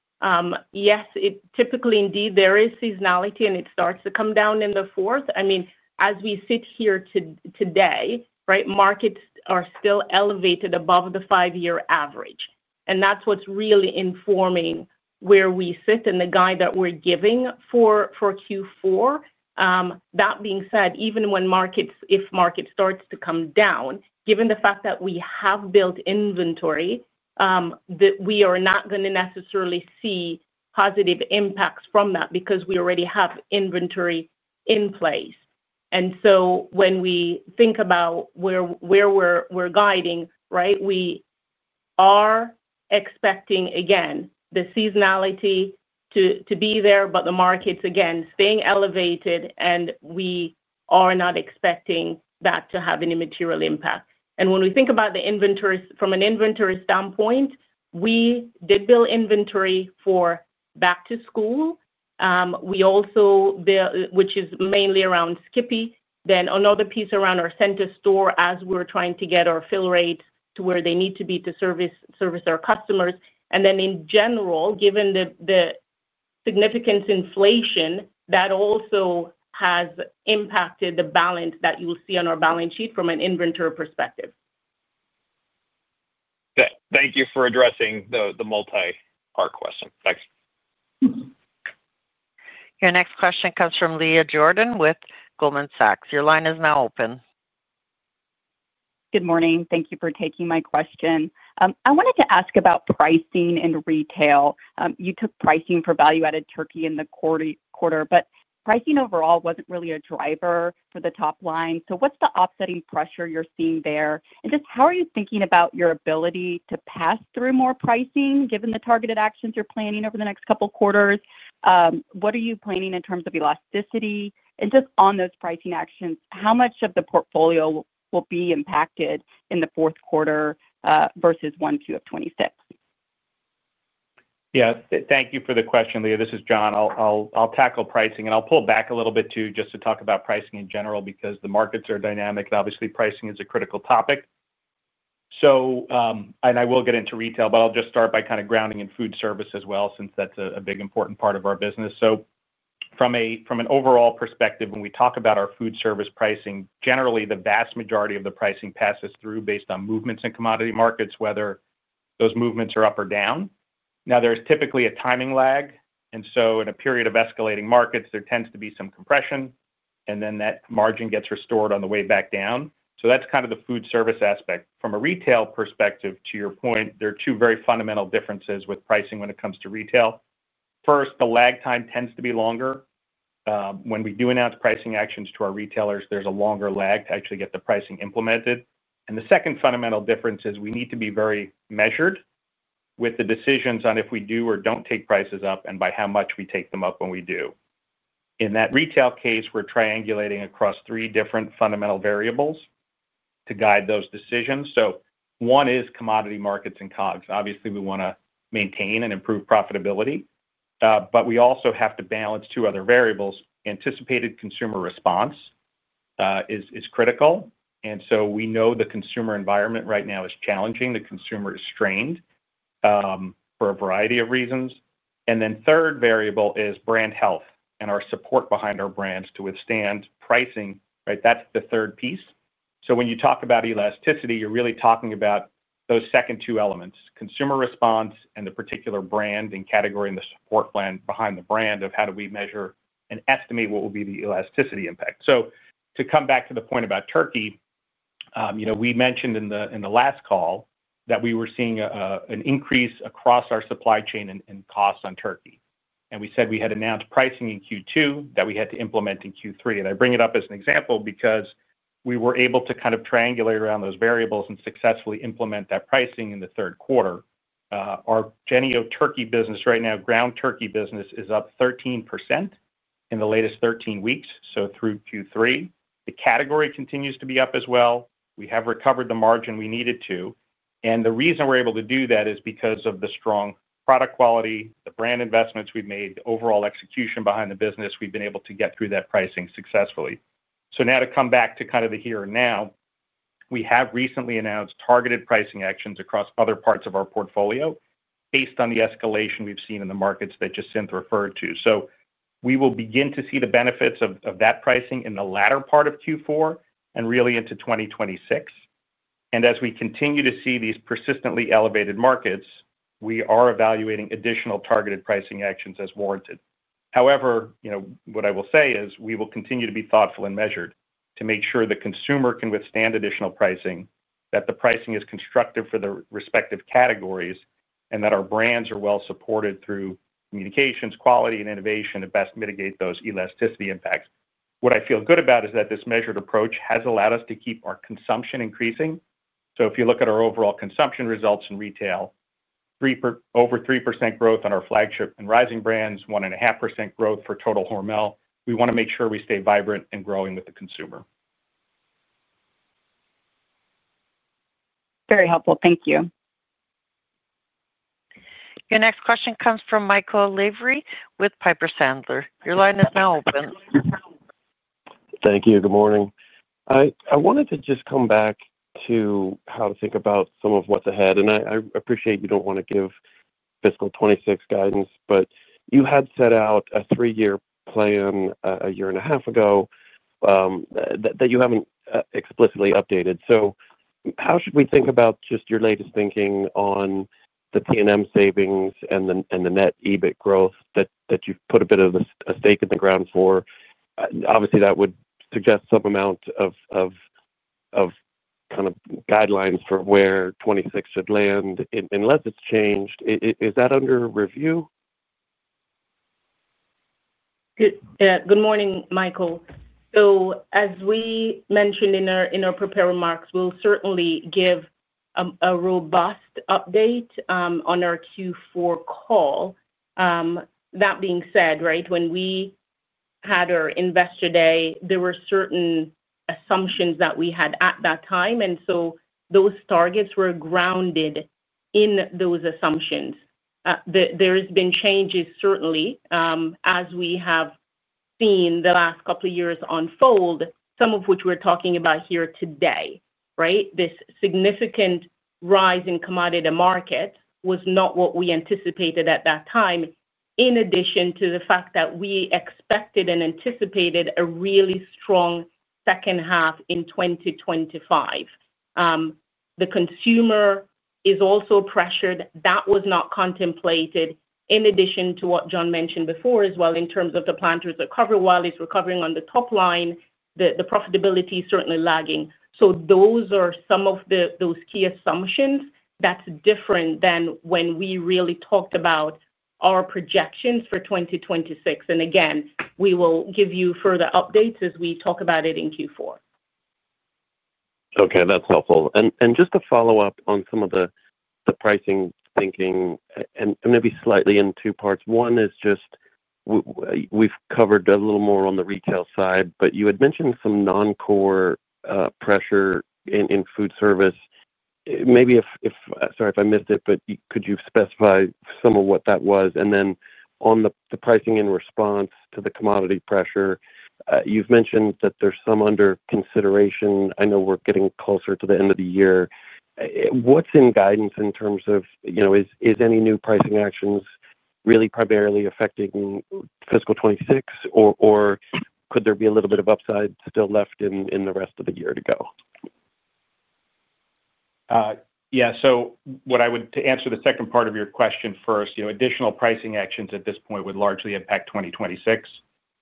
yes, typically indeed there is seasonality and it starts to come down in the fourth. As we sit here today, markets are still elevated above the five-year average. That's what's really informing where we sit and the guide that we're giving for Q4. That being said, even if markets start to come down, given the fact that we have built inventory, we are not going to necessarily see positive impacts from that because we already have inventory in place. When we think about where we're guiding, we are expecting, again, the seasonality to be there, but the markets, again, staying elevated, and we are not expecting that to have any material impact. When we think about the inventories from an inventory standpoint, we did build inventory for back to school. We also built, which is mainly around SKIPPY, then another piece around our center store as we're trying to get our fill rate to where they need to be to service our customers. In general, given the significant inflation, that also has impacted the balance that you will see on our balance sheet from an inventory perspective. Thank you for addressing the multi-part question. Thanks. Your next question comes from Leah Jordan with Goldman Sachs. Your line is now open. Good morning. Thank you for taking my question. I wanted to ask about pricing and retail. You took pricing for value-added turkey in the quarter, but pricing overall wasn't really a driver for the top line. What is the offsetting pressure you're seeing there? How are you thinking about your ability to pass through more pricing given the targeted actions you're planning over the next couple of quarters? What are you planning in terms of elasticity? On those pricing actions, how much of the portfolio will be impacted in the fourth quarter versus Q1 of 2026? Thank you for the question, Leah. This is John. I'll tackle pricing and I'll pull back a little bit too just to talk about pricing in general because the markets are dynamic and obviously pricing is a critical topic. I will get into retail, but I'll just start by kind of grounding in food service as well since that's a big important part of our business. From an overall perspective, when we talk about our food service pricing, generally, the vast majority of the pricing passes through based on movements in commodity markets, whether those movements are up or down. There's typically a timing lag. In a period of escalating markets, there tends to be some compression, and then that margin gets restored on the way back down. That's kind of the food service aspect. From a retail perspective, to your point, there are two very fundamental differences with pricing when it comes to retail. First, the lag time tends to be longer. When we do announce pricing actions to our retailers, there's a longer lag to actually get the pricing implemented. The second fundamental difference is we need to be very measured with the decisions on if we do or don't take prices up and by how much we take them up when we do. In that retail case, we're triangulating across three different fundamental variables to guide those decisions. One is commodity markets and cogs. Obviously, we want to maintain and improve profitability, but we also have to balance two other variables. Anticipated consumer response is critical. We know the consumer environment right now is challenging. The consumer is strained for a variety of reasons. The third variable is brand health and our support behind our brands to withstand pricing. That's the third piece. When you talk about elasticity, you're really talking about those second two elements: consumer response and the particular brand and category and the support behind the brand of how do we measure and estimate what will be the elasticity impact. To come back to the point about turkey, we mentioned in the last call that we were seeing an increase across our supply chain and costs on turkey. We said we had announced pricing in Q2 that we had to implement in Q3. I bring it up as an example because we were able to kind of triangulate around those variables and successfully implement that pricing in the third quarter. Our Jennie-O Turkey business right now, ground turkey business is up 13% in the latest 13 weeks. Through Q3, the category continues to be up as well. We have recovered the margin we needed to. The reason we're able to do that is because of the strong product quality, the brand investments we've made, the overall execution behind the business, we've been able to get through that pricing successfully. To come back to kind of the here and now, we have recently announced targeted pricing actions across other parts of our portfolio based on the escalation we've seen in the markets that Jacinth referred to. We will begin to see the benefits of that pricing in the latter part of Q4 and really into 2026. As we continue to see these persistently elevated markets, we are evaluating additional targeted pricing actions as warranted. However, what I will say is we will continue to be thoughtful and measured to make sure the consumer can withstand additional pricing, that the pricing is constructive for the respective categories, and that our brands are well supported through communications, quality, and innovation to best mitigate those elasticity impacts. What I feel good about is that this measured approach has allowed us to keep our consumption increasing. If you look at our overall consumption results in retail, over 3% growth on our flagship and rising brands, 1.5% growth for total Hormel, we want to make sure we stay vibrant and growing with the consumer. Very helpful. Thank you. Your next question comes from Michael Lavery with Piper Sandler. Your line is now open. Thank you. Good morning. I wanted to just come back to how to think about some of what's ahead, and I appreciate you don't want to give fiscal 2026 guidance, but you had set out a three-year plan a year and a half ago that you haven't explicitly updated. How should we think about just your latest thinking on the T&M savings and the net EBIT growth that you've put a bit of a stake in the ground for? Obviously, that would suggest some amount of kind of guidelines for where 2026 should land unless it's changed. Is that under review? Yeah, good morning, Michael. As we mentioned in our prepared remarks, we'll certainly give a robust update on our Q4 call. That being said, when we had our Investor Day, there were certain assumptions that we had at that time, and those targets were grounded in those assumptions. There have been changes, certainly, as we have seen the last couple of years unfold, some of which we're talking about here today. This significant rise in commodity markets was not what we anticipated at that time, in addition to the fact that we expected and anticipated a really strong second half in 2025. The consumer is also pressured. That was not contemplated, in addition to what John mentioned before as well, in terms of the Planters recover while it's recovering on the top line, the profitability is certainly lagging. Those are some of those key assumptions. That's different than when we really talked about our projections for 2026. Again, we will give you further updates as we talk about it in Q4. Okay, that's helpful. Just to follow up on some of the pricing thinking, I'm going to be slightly in two parts. One is just we've covered a little more on the retail side, but you had mentioned some non-core pressure in food service. Maybe, if I missed it, could you specify some of what that was? On the pricing in response to the commodity pressure, you've mentioned that there's some under consideration. I know we're getting closer to the end of the year. What's in guidance in terms of, you know, is any new pricing actions really primarily affecting fiscal 2026, or could there be a little bit of upside still left in the rest of the year to go? Yeah, to answer the second part of your question first, additional pricing actions at this point would largely impact 2026.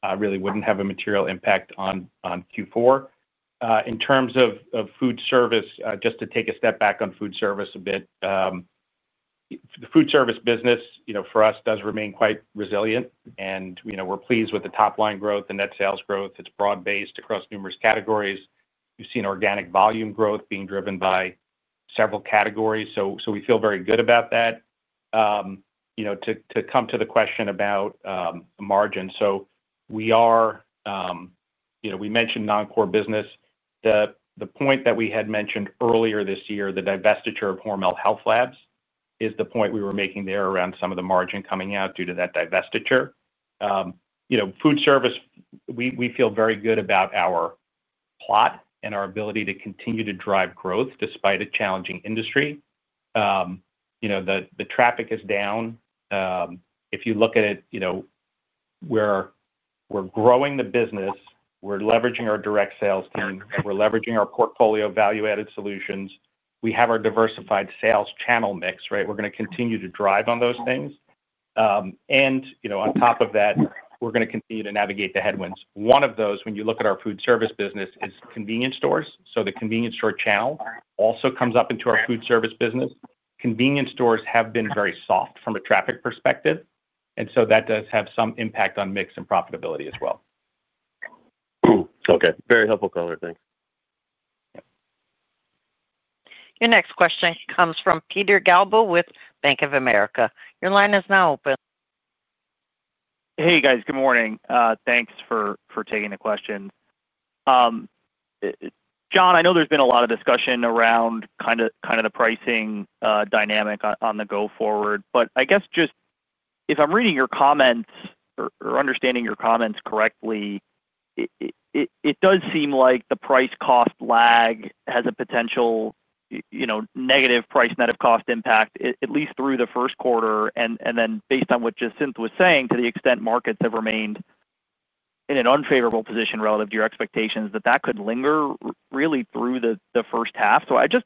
It really wouldn't have a material impact on Q4. In terms of food service, just to take a step back on food service a bit, the food service business for us does remain quite resilient, and we're pleased with the top line growth and net sales growth. It's broad-based across numerous categories. We've seen organic volume growth being driven by several categories, so we feel very good about that. To come to the question about margins, we mentioned non-core business. The point that we had mentioned earlier this year, the divestiture of Hormel Health Labs, is the point we were making there around some of the margin coming out due to that divestiture. Food service, we feel very good about our plot and our ability to continue to drive growth despite a challenging industry. The traffic is down. If you look at it, we're growing the business, we're leveraging our direct sales team, we're leveraging our portfolio value-added solutions, we have our diversified sales channel mix, right? We're going to continue to drive on those things. On top of that, we're going to continue to navigate the headwinds. One of those, when you look at our food service business, is convenience stores. The convenience store channel also comes up into our food service business. Convenience stores have been very soft from a traffic perspective, and that does have some impact on mix and profitability as well. Okay, very helpful cover there. Your next question comes from Peter Galbo with Bank of America. Your line is now open. Hey guys, good morning. Thanks for taking the questions. John, I know there's been a lot of discussion around kind of the pricing dynamic on the go-forward, but I guess just if I'm reading your comments or understanding your comments correctly, it does seem like the price-cost lag has a potential, you know, negative price net of cost impact, at least through the first quarter. Then based on what Jacinth was saying, to the extent markets have remained in an unfavorable position relative to your expectations, that could linger really through the first half. I just,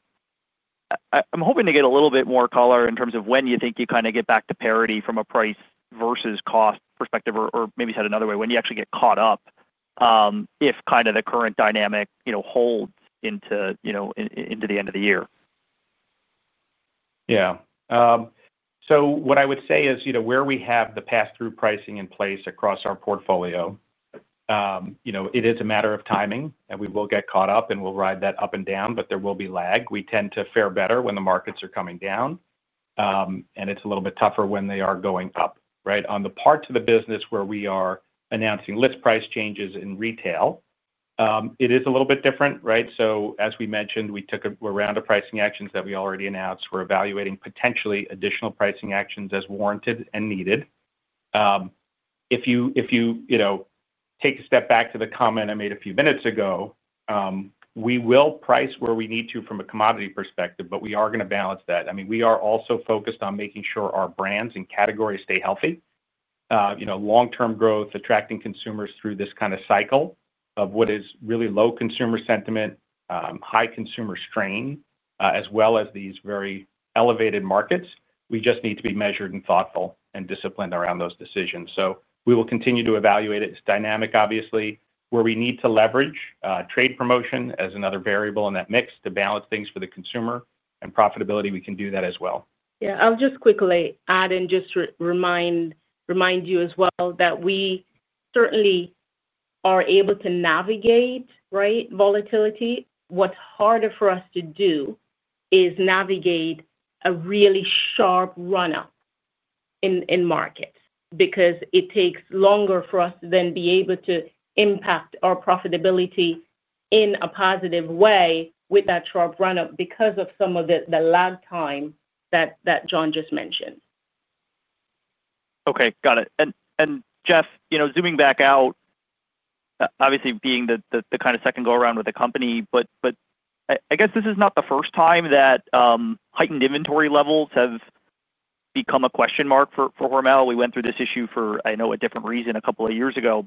I'm hoping to get a little bit more color in terms of when you think you kind of get back to parity from a price versus cost perspective, or maybe said another way, when you actually get caught up, if kind of the current dynamic holds into the end of the year. Yeah, what I would say is, where we have the pass-through pricing in place across our portfolio, it is a matter of timing, and we will get caught up, and we'll ride that up and down, but there will be lag. We tend to fare better when the markets are coming down, and it's a little bit tougher when they are going up, right? On the parts of the business where we are announcing lift price changes in retail, it is a little bit different, right? As we mentioned, we took a round of pricing actions that we already announced. We're evaluating potentially additional pricing actions as warranted and needed. If you take a step back to the comment I made a few minutes ago, we will price where we need to from a commodity perspective, but we are going to balance that. I mean, we are also focused on making sure our brands and categories stay healthy. Long-term growth, attracting consumers through this kind of cycle of what is really low consumer sentiment, high consumer strain, as well as these very elevated markets. We just need to be measured and thoughtful and disciplined around those decisions. We will continue to evaluate it. It's dynamic, obviously, where we need to leverage trade promotion as another variable in that mix to balance things for the consumer and profitability. We can do that as well. I'll just quickly add and just remind you as well that we certainly are able to navigate, right, volatility. What's harder for us to do is navigate a really sharp run-up in markets because it takes longer for us to then be able to impact our profitability in a positive way with that sharp run-up because of some of the lag time that John just mentioned. Okay, got it. Jeff, zooming back out, obviously being the kind of second go-around with the company, I guess this is not the first time that heightened inventory levels have become a question mark for Hormel. We went through this issue for, I know, a different reason a couple of years ago.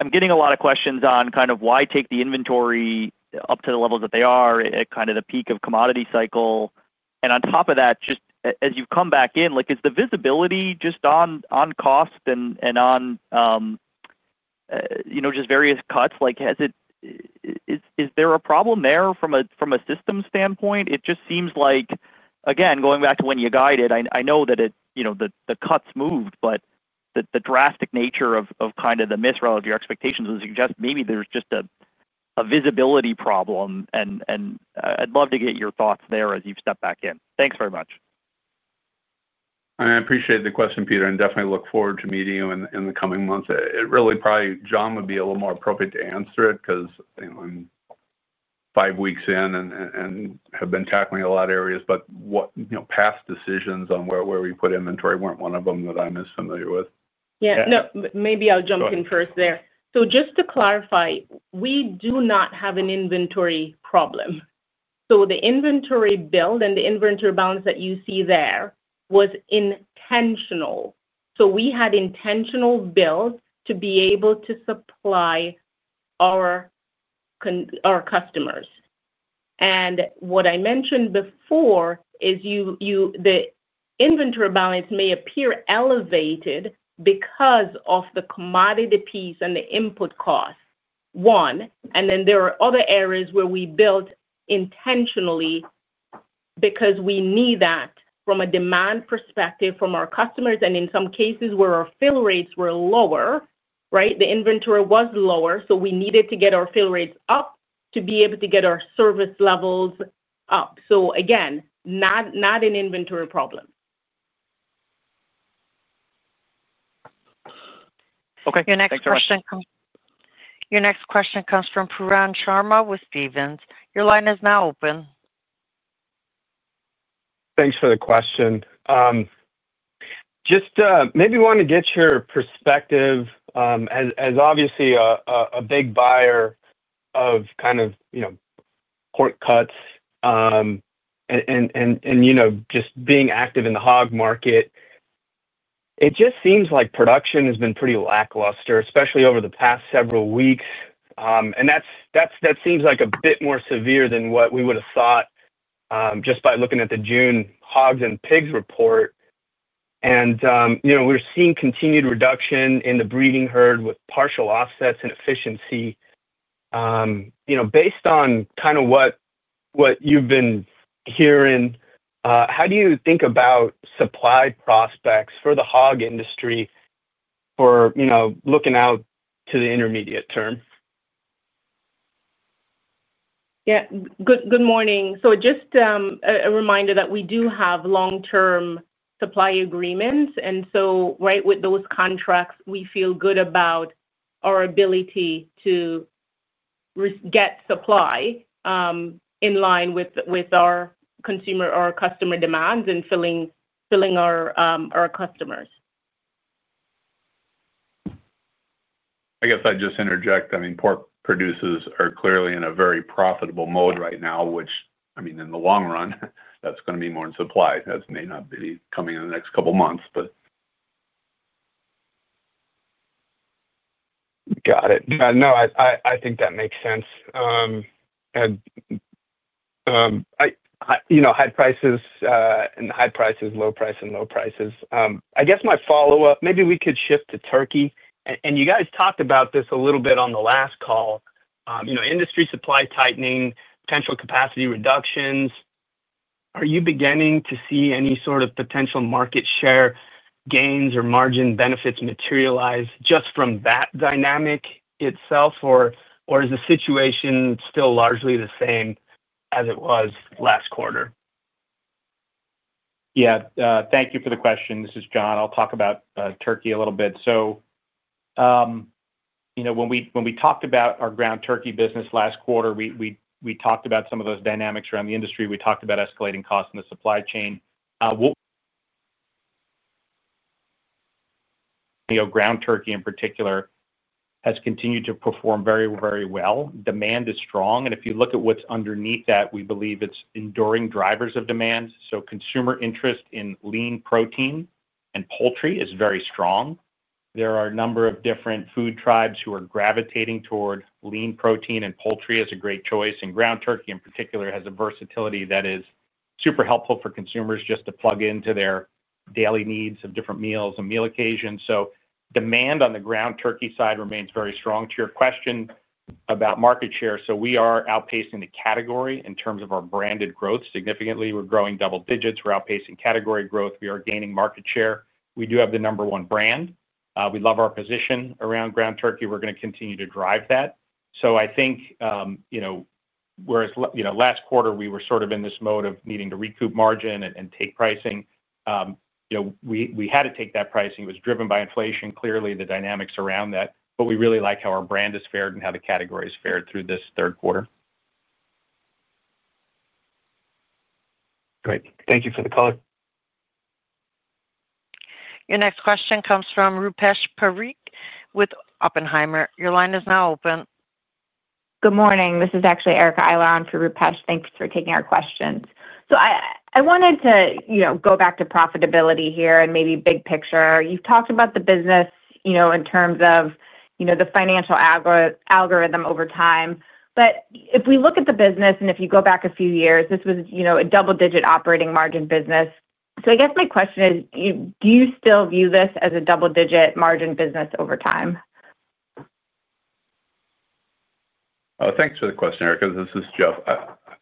I'm getting a lot of questions on why take the inventory up to the levels that they are at the peak of the commodity cycle. On top of that, just as you've come back in, is the visibility just on cost and on various cuts, is there a problem there from a system standpoint? It just seems like, going back to when you guided, I know that the cuts moved, but the drastic nature of the miss relative to your expectations would suggest maybe there's just a visibility problem. I'd love to get your thoughts there as you've stepped back in. Thanks very much. I appreciate the question, Peter, and definitely look forward to meeting you in the coming months. It really probably, John, would be a little more appropriate to answer it because I'm five weeks in and have been tackling a lot of areas, but past decisions on where we put inventory weren't one of them that I'm as familiar with. Maybe I'll jump in first there. Just to clarify, we do not have an inventory problem. The inventory build and the inventory balance that you see there was intentional. We had intentional build to be able to supply our customers. What I mentioned before is the inventory balance may appear elevated because of the commodity piece and the input cost, one. There are other areas where we built intentionally because we knew that from a demand perspective from our customers, and in some cases where our fill rates were lower, the inventory was lower, so we needed to get our fill rates up to be able to get our service levels up. Again, not an inventory problem. Okay, your next question comes from Pooran Sharma with Stephens. Your line is now open. Thanks for the question. Just maybe want to get your perspective. As obviously a big buyer of kind of, you know, pork cuts and, you know, just being active in the hog market, it just seems like production has been pretty lackluster, especially over the past several weeks. That seems like a bit more severe than what we would have thought just by looking at the June hogs and pigs report. We're seeing continued reduction in the breeding herd with partial offsets in efficiency. Based on kind of what you've been hearing, how do you think about supply prospects for the hog industry for, you know, looking out to the intermediate term? Good morning. Just a reminder that we do have long-term supply agreements. With those contracts, we feel good about our ability to get supply in line with our consumer or customer demands and filling our customers. I guess I'd just interject. Pork producers are clearly in a very profitable mode right now, which, in the long run, that's going to be more in supply. That may not be coming in the next couple of months. Got it. No, I think that makes sense. You know, high prices and high prices, low price and low prices. I guess my follow-up, maybe we could shift to turkey. You guys talked about this a little bit on the last call. You know, industry supply tightening, potential capacity reductions. Are you beginning to see any sort of potential market share gains or margin benefits materialize just from that dynamic itself, or is the situation still largely the same as it was last quarter? Thank you for the question. This is John. I'll talk about turkey a little bit. When we talked about our ground turkey business last quarter, we talked about some of those dynamics around the industry. We talked about escalating costs in the supply chain. You know, ground turkey in particular has continued to perform very, very well. Demand is strong. If you look at what's underneath that, we believe it's enduring drivers of demand. Consumer interest in lean protein and poultry is very strong. There are a number of different food tribes who are gravitating toward lean protein, and poultry is a great choice. Ground turkey in particular has a versatility that is super helpful for consumers just to plug into their daily needs of different meals and meal occasions. Demand on the ground turkey side remains very strong. To your question about market share, we are outpacing the category in terms of our branded growth significantly. We're growing double digits. We're outpacing category growth. We are gaining market share. We do have the number one brand. We love our position around ground turkey. We're going to continue to drive that. I think, you know, whereas last quarter we were sort of in this mode of needing to recoup margin and take pricing. We had to take that pricing. It was driven by inflation, clearly the dynamics around that. We really like how our brand has fared and how the category has fared through this third quarter. Great, thank you for the call. Your next question comes from Rupesh Parikh with Oppenheimer. Your line is now open. Good morning. This is actually Erica Eiler for Rupesh. Thanks for taking our questions. I wanted to go back to profitability here and maybe big picture. You've talked about the business in terms of the financial algorithm over time. If we look at the business and if you go back a few years, this was a double-digit operating margin business. I guess my question is, do you still view this as a double-digit margin business over time? Oh, thanks for the question, Erica. This is Jeff.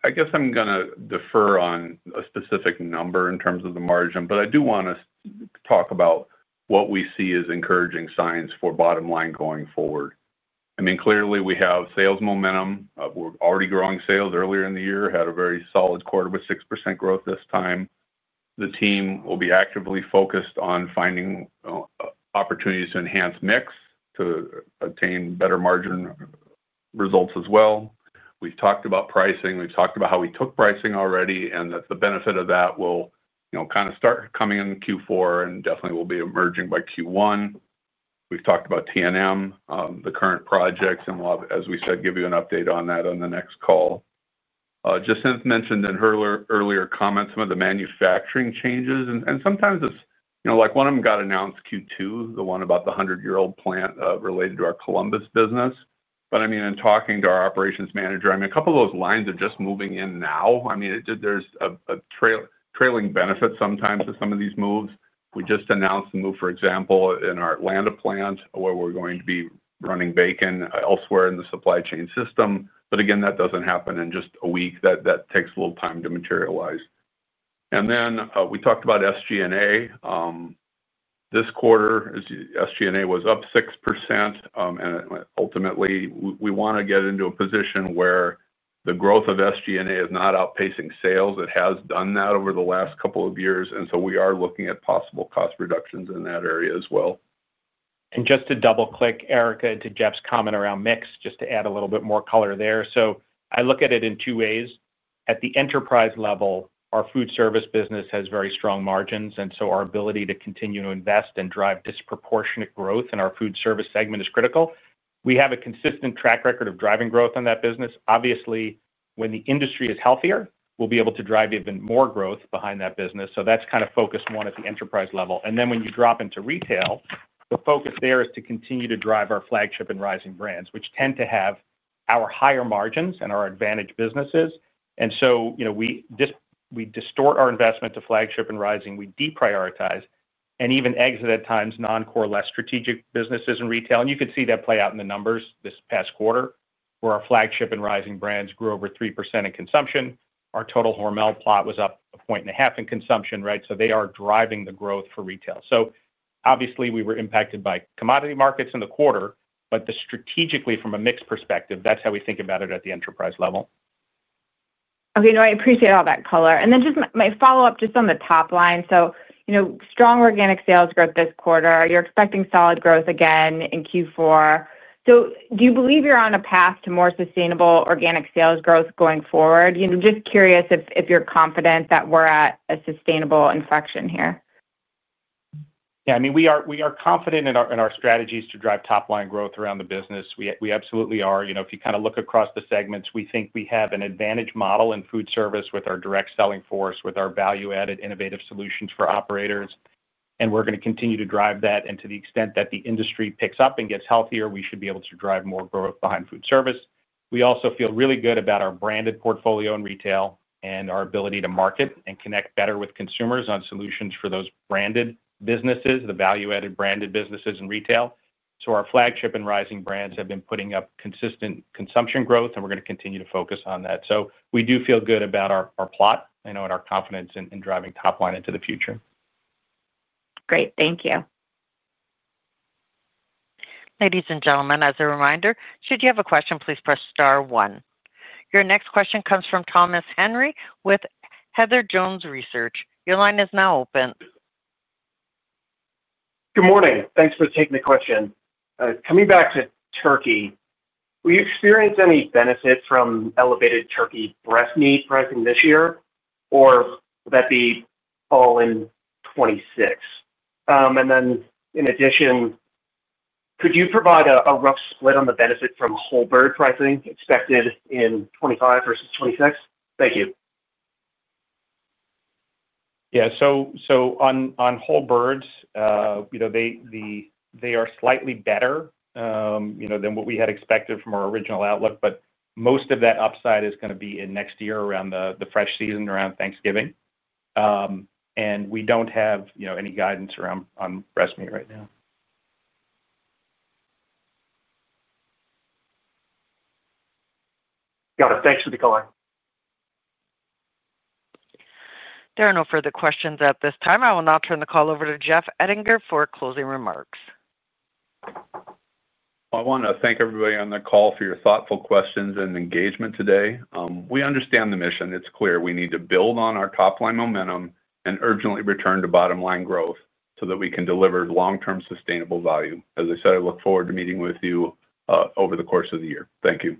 I guess I'm going to defer on a specific number in terms of the margin, but I do want to talk about what we see as encouraging signs for bottom line going forward. Clearly we have sales momentum. We're already growing sales earlier in the year, had a very solid quarter with 6% growth this time. The team will be actively focused on finding opportunities to enhance mix to attain better margin results as well. We've talked about pricing. We've talked about how we took pricing already, and that the benefit of that will, you know, kind of start coming in Q4 and definitely will be emerging by Q1. We've talked about T&M, the current projects, and we'll have, as we said, give you an update on that on the next call. Jacinth mentioned in her earlier comments some of the manufacturing changes, and sometimes it's, you know, like one of them got announced Q2, the one about the 100-year-old plant related to our Columbus business. In talking to our operations manager, a couple of those lines are just moving in now. There's a trailing benefit sometimes to some of these moves. We just announced a move, for example, in our Atlanta plant where we're going to be running bacon elsewhere in the supply chain system. That doesn't happen in just a week. That takes a little time to materialize. We talked about SG&A. This quarter, SG&A was up 6%, and ultimately, we want to get into a position where the growth of SG&A is not outpacing sales. It has done that over the last couple of years, and we are looking at possible cost reductions in that area as well. Just to double-click, Erica, to Jeff's comment around mix, to add a little bit more color there. I look at it in two ways. At the enterprise level, our food service business has very strong margins, and our ability to continue to invest and drive disproportionate growth in our food service segment is critical. We have a consistent track record of driving growth in that business. Obviously, when the industry is healthier, we'll be able to drive even more growth behind that business. That is kind of focus one at the enterprise level. When you drop into retail, the focus there is to continue to drive our flagship and rising brands, which tend to have our higher margins and our advantage businesses. We distort our investment to flagship and rising. We deprioritize and even exit at times non-core, less strategic businesses in retail. You could see that play out in the numbers this past quarter where our flagship and rising brands grew over 3% in consumption. Our total Hormel plot was up a point and a half in consumption, right? They are driving the growth for retail. Obviously, we were impacted by commodity markets in the quarter, but strategically, from a mix perspective, that's how we think about it at the enterprise level. Okay, I appreciate all that color. Just my follow-up on the top line. Strong organic sales growth this quarter. You're expecting solid growth again in Q4. Do you believe you're on a path to more sustainable organic sales growth going forward? Just curious if you're confident that we're at a sustainable inflection here. Yeah, I mean, we are confident in our strategies to drive top-line growth around the business. We absolutely are. You know, if you kind of look across the segments, we think we have an advantage model in food service with our direct selling force, with our value-added innovative solutions for operators. We're going to continue to drive that. To the extent that the industry picks up and gets healthier, we should be able to drive more growth behind food service. We also feel really good about our branded portfolio in retail and our ability to market and connect better with consumers on solutions for those branded businesses, the value-added branded businesses in retail. Our flagship and rising brands have been putting up consistent consumption growth, and we're going to continue to focus on that, so we do feel good about our plot, you know, and our confidence in driving top-line into the future. Great, thank you. Ladies and gentlemen, as a reminder, should you have a question, please press Star, one. Your next question comes from Thomas Henry with Heather Jones Research. Your line is now open. Good morning. Thanks for taking the question. Coming back to turkey, did we experience any benefits from elevated turkey breast meat pricing this year or does that fall in 2026? In addition, could you provide a rough split on the benefit from whole bird pricing expected in 2025 versus 2026? Thank you. On whole birds, they are slightly better than what we had expected from our original outlook. Most of that upside is going to be in next year around the fresh season around Thanksgiving, and we don't have any guidance around on breast meat right now. Got it. Thanks for the call. There are no further questions at this time. I will now turn the call over to Jeff Ettinger for closing remarks. Thank you everybody on the call for your thoughtful questions and engagement today. We understand the mission. It's clear we need to build on our top-line momentum and urgently return to bottom-line growth so that we can deliver long-term sustainable value. As I said, I look forward to meeting with you over the course of the year. Thank you.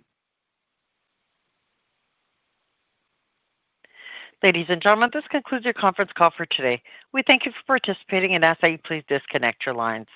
Ladies and gentlemen, this concludes your conference call for today. We thank you for participating and ask that you please disconnect your lines.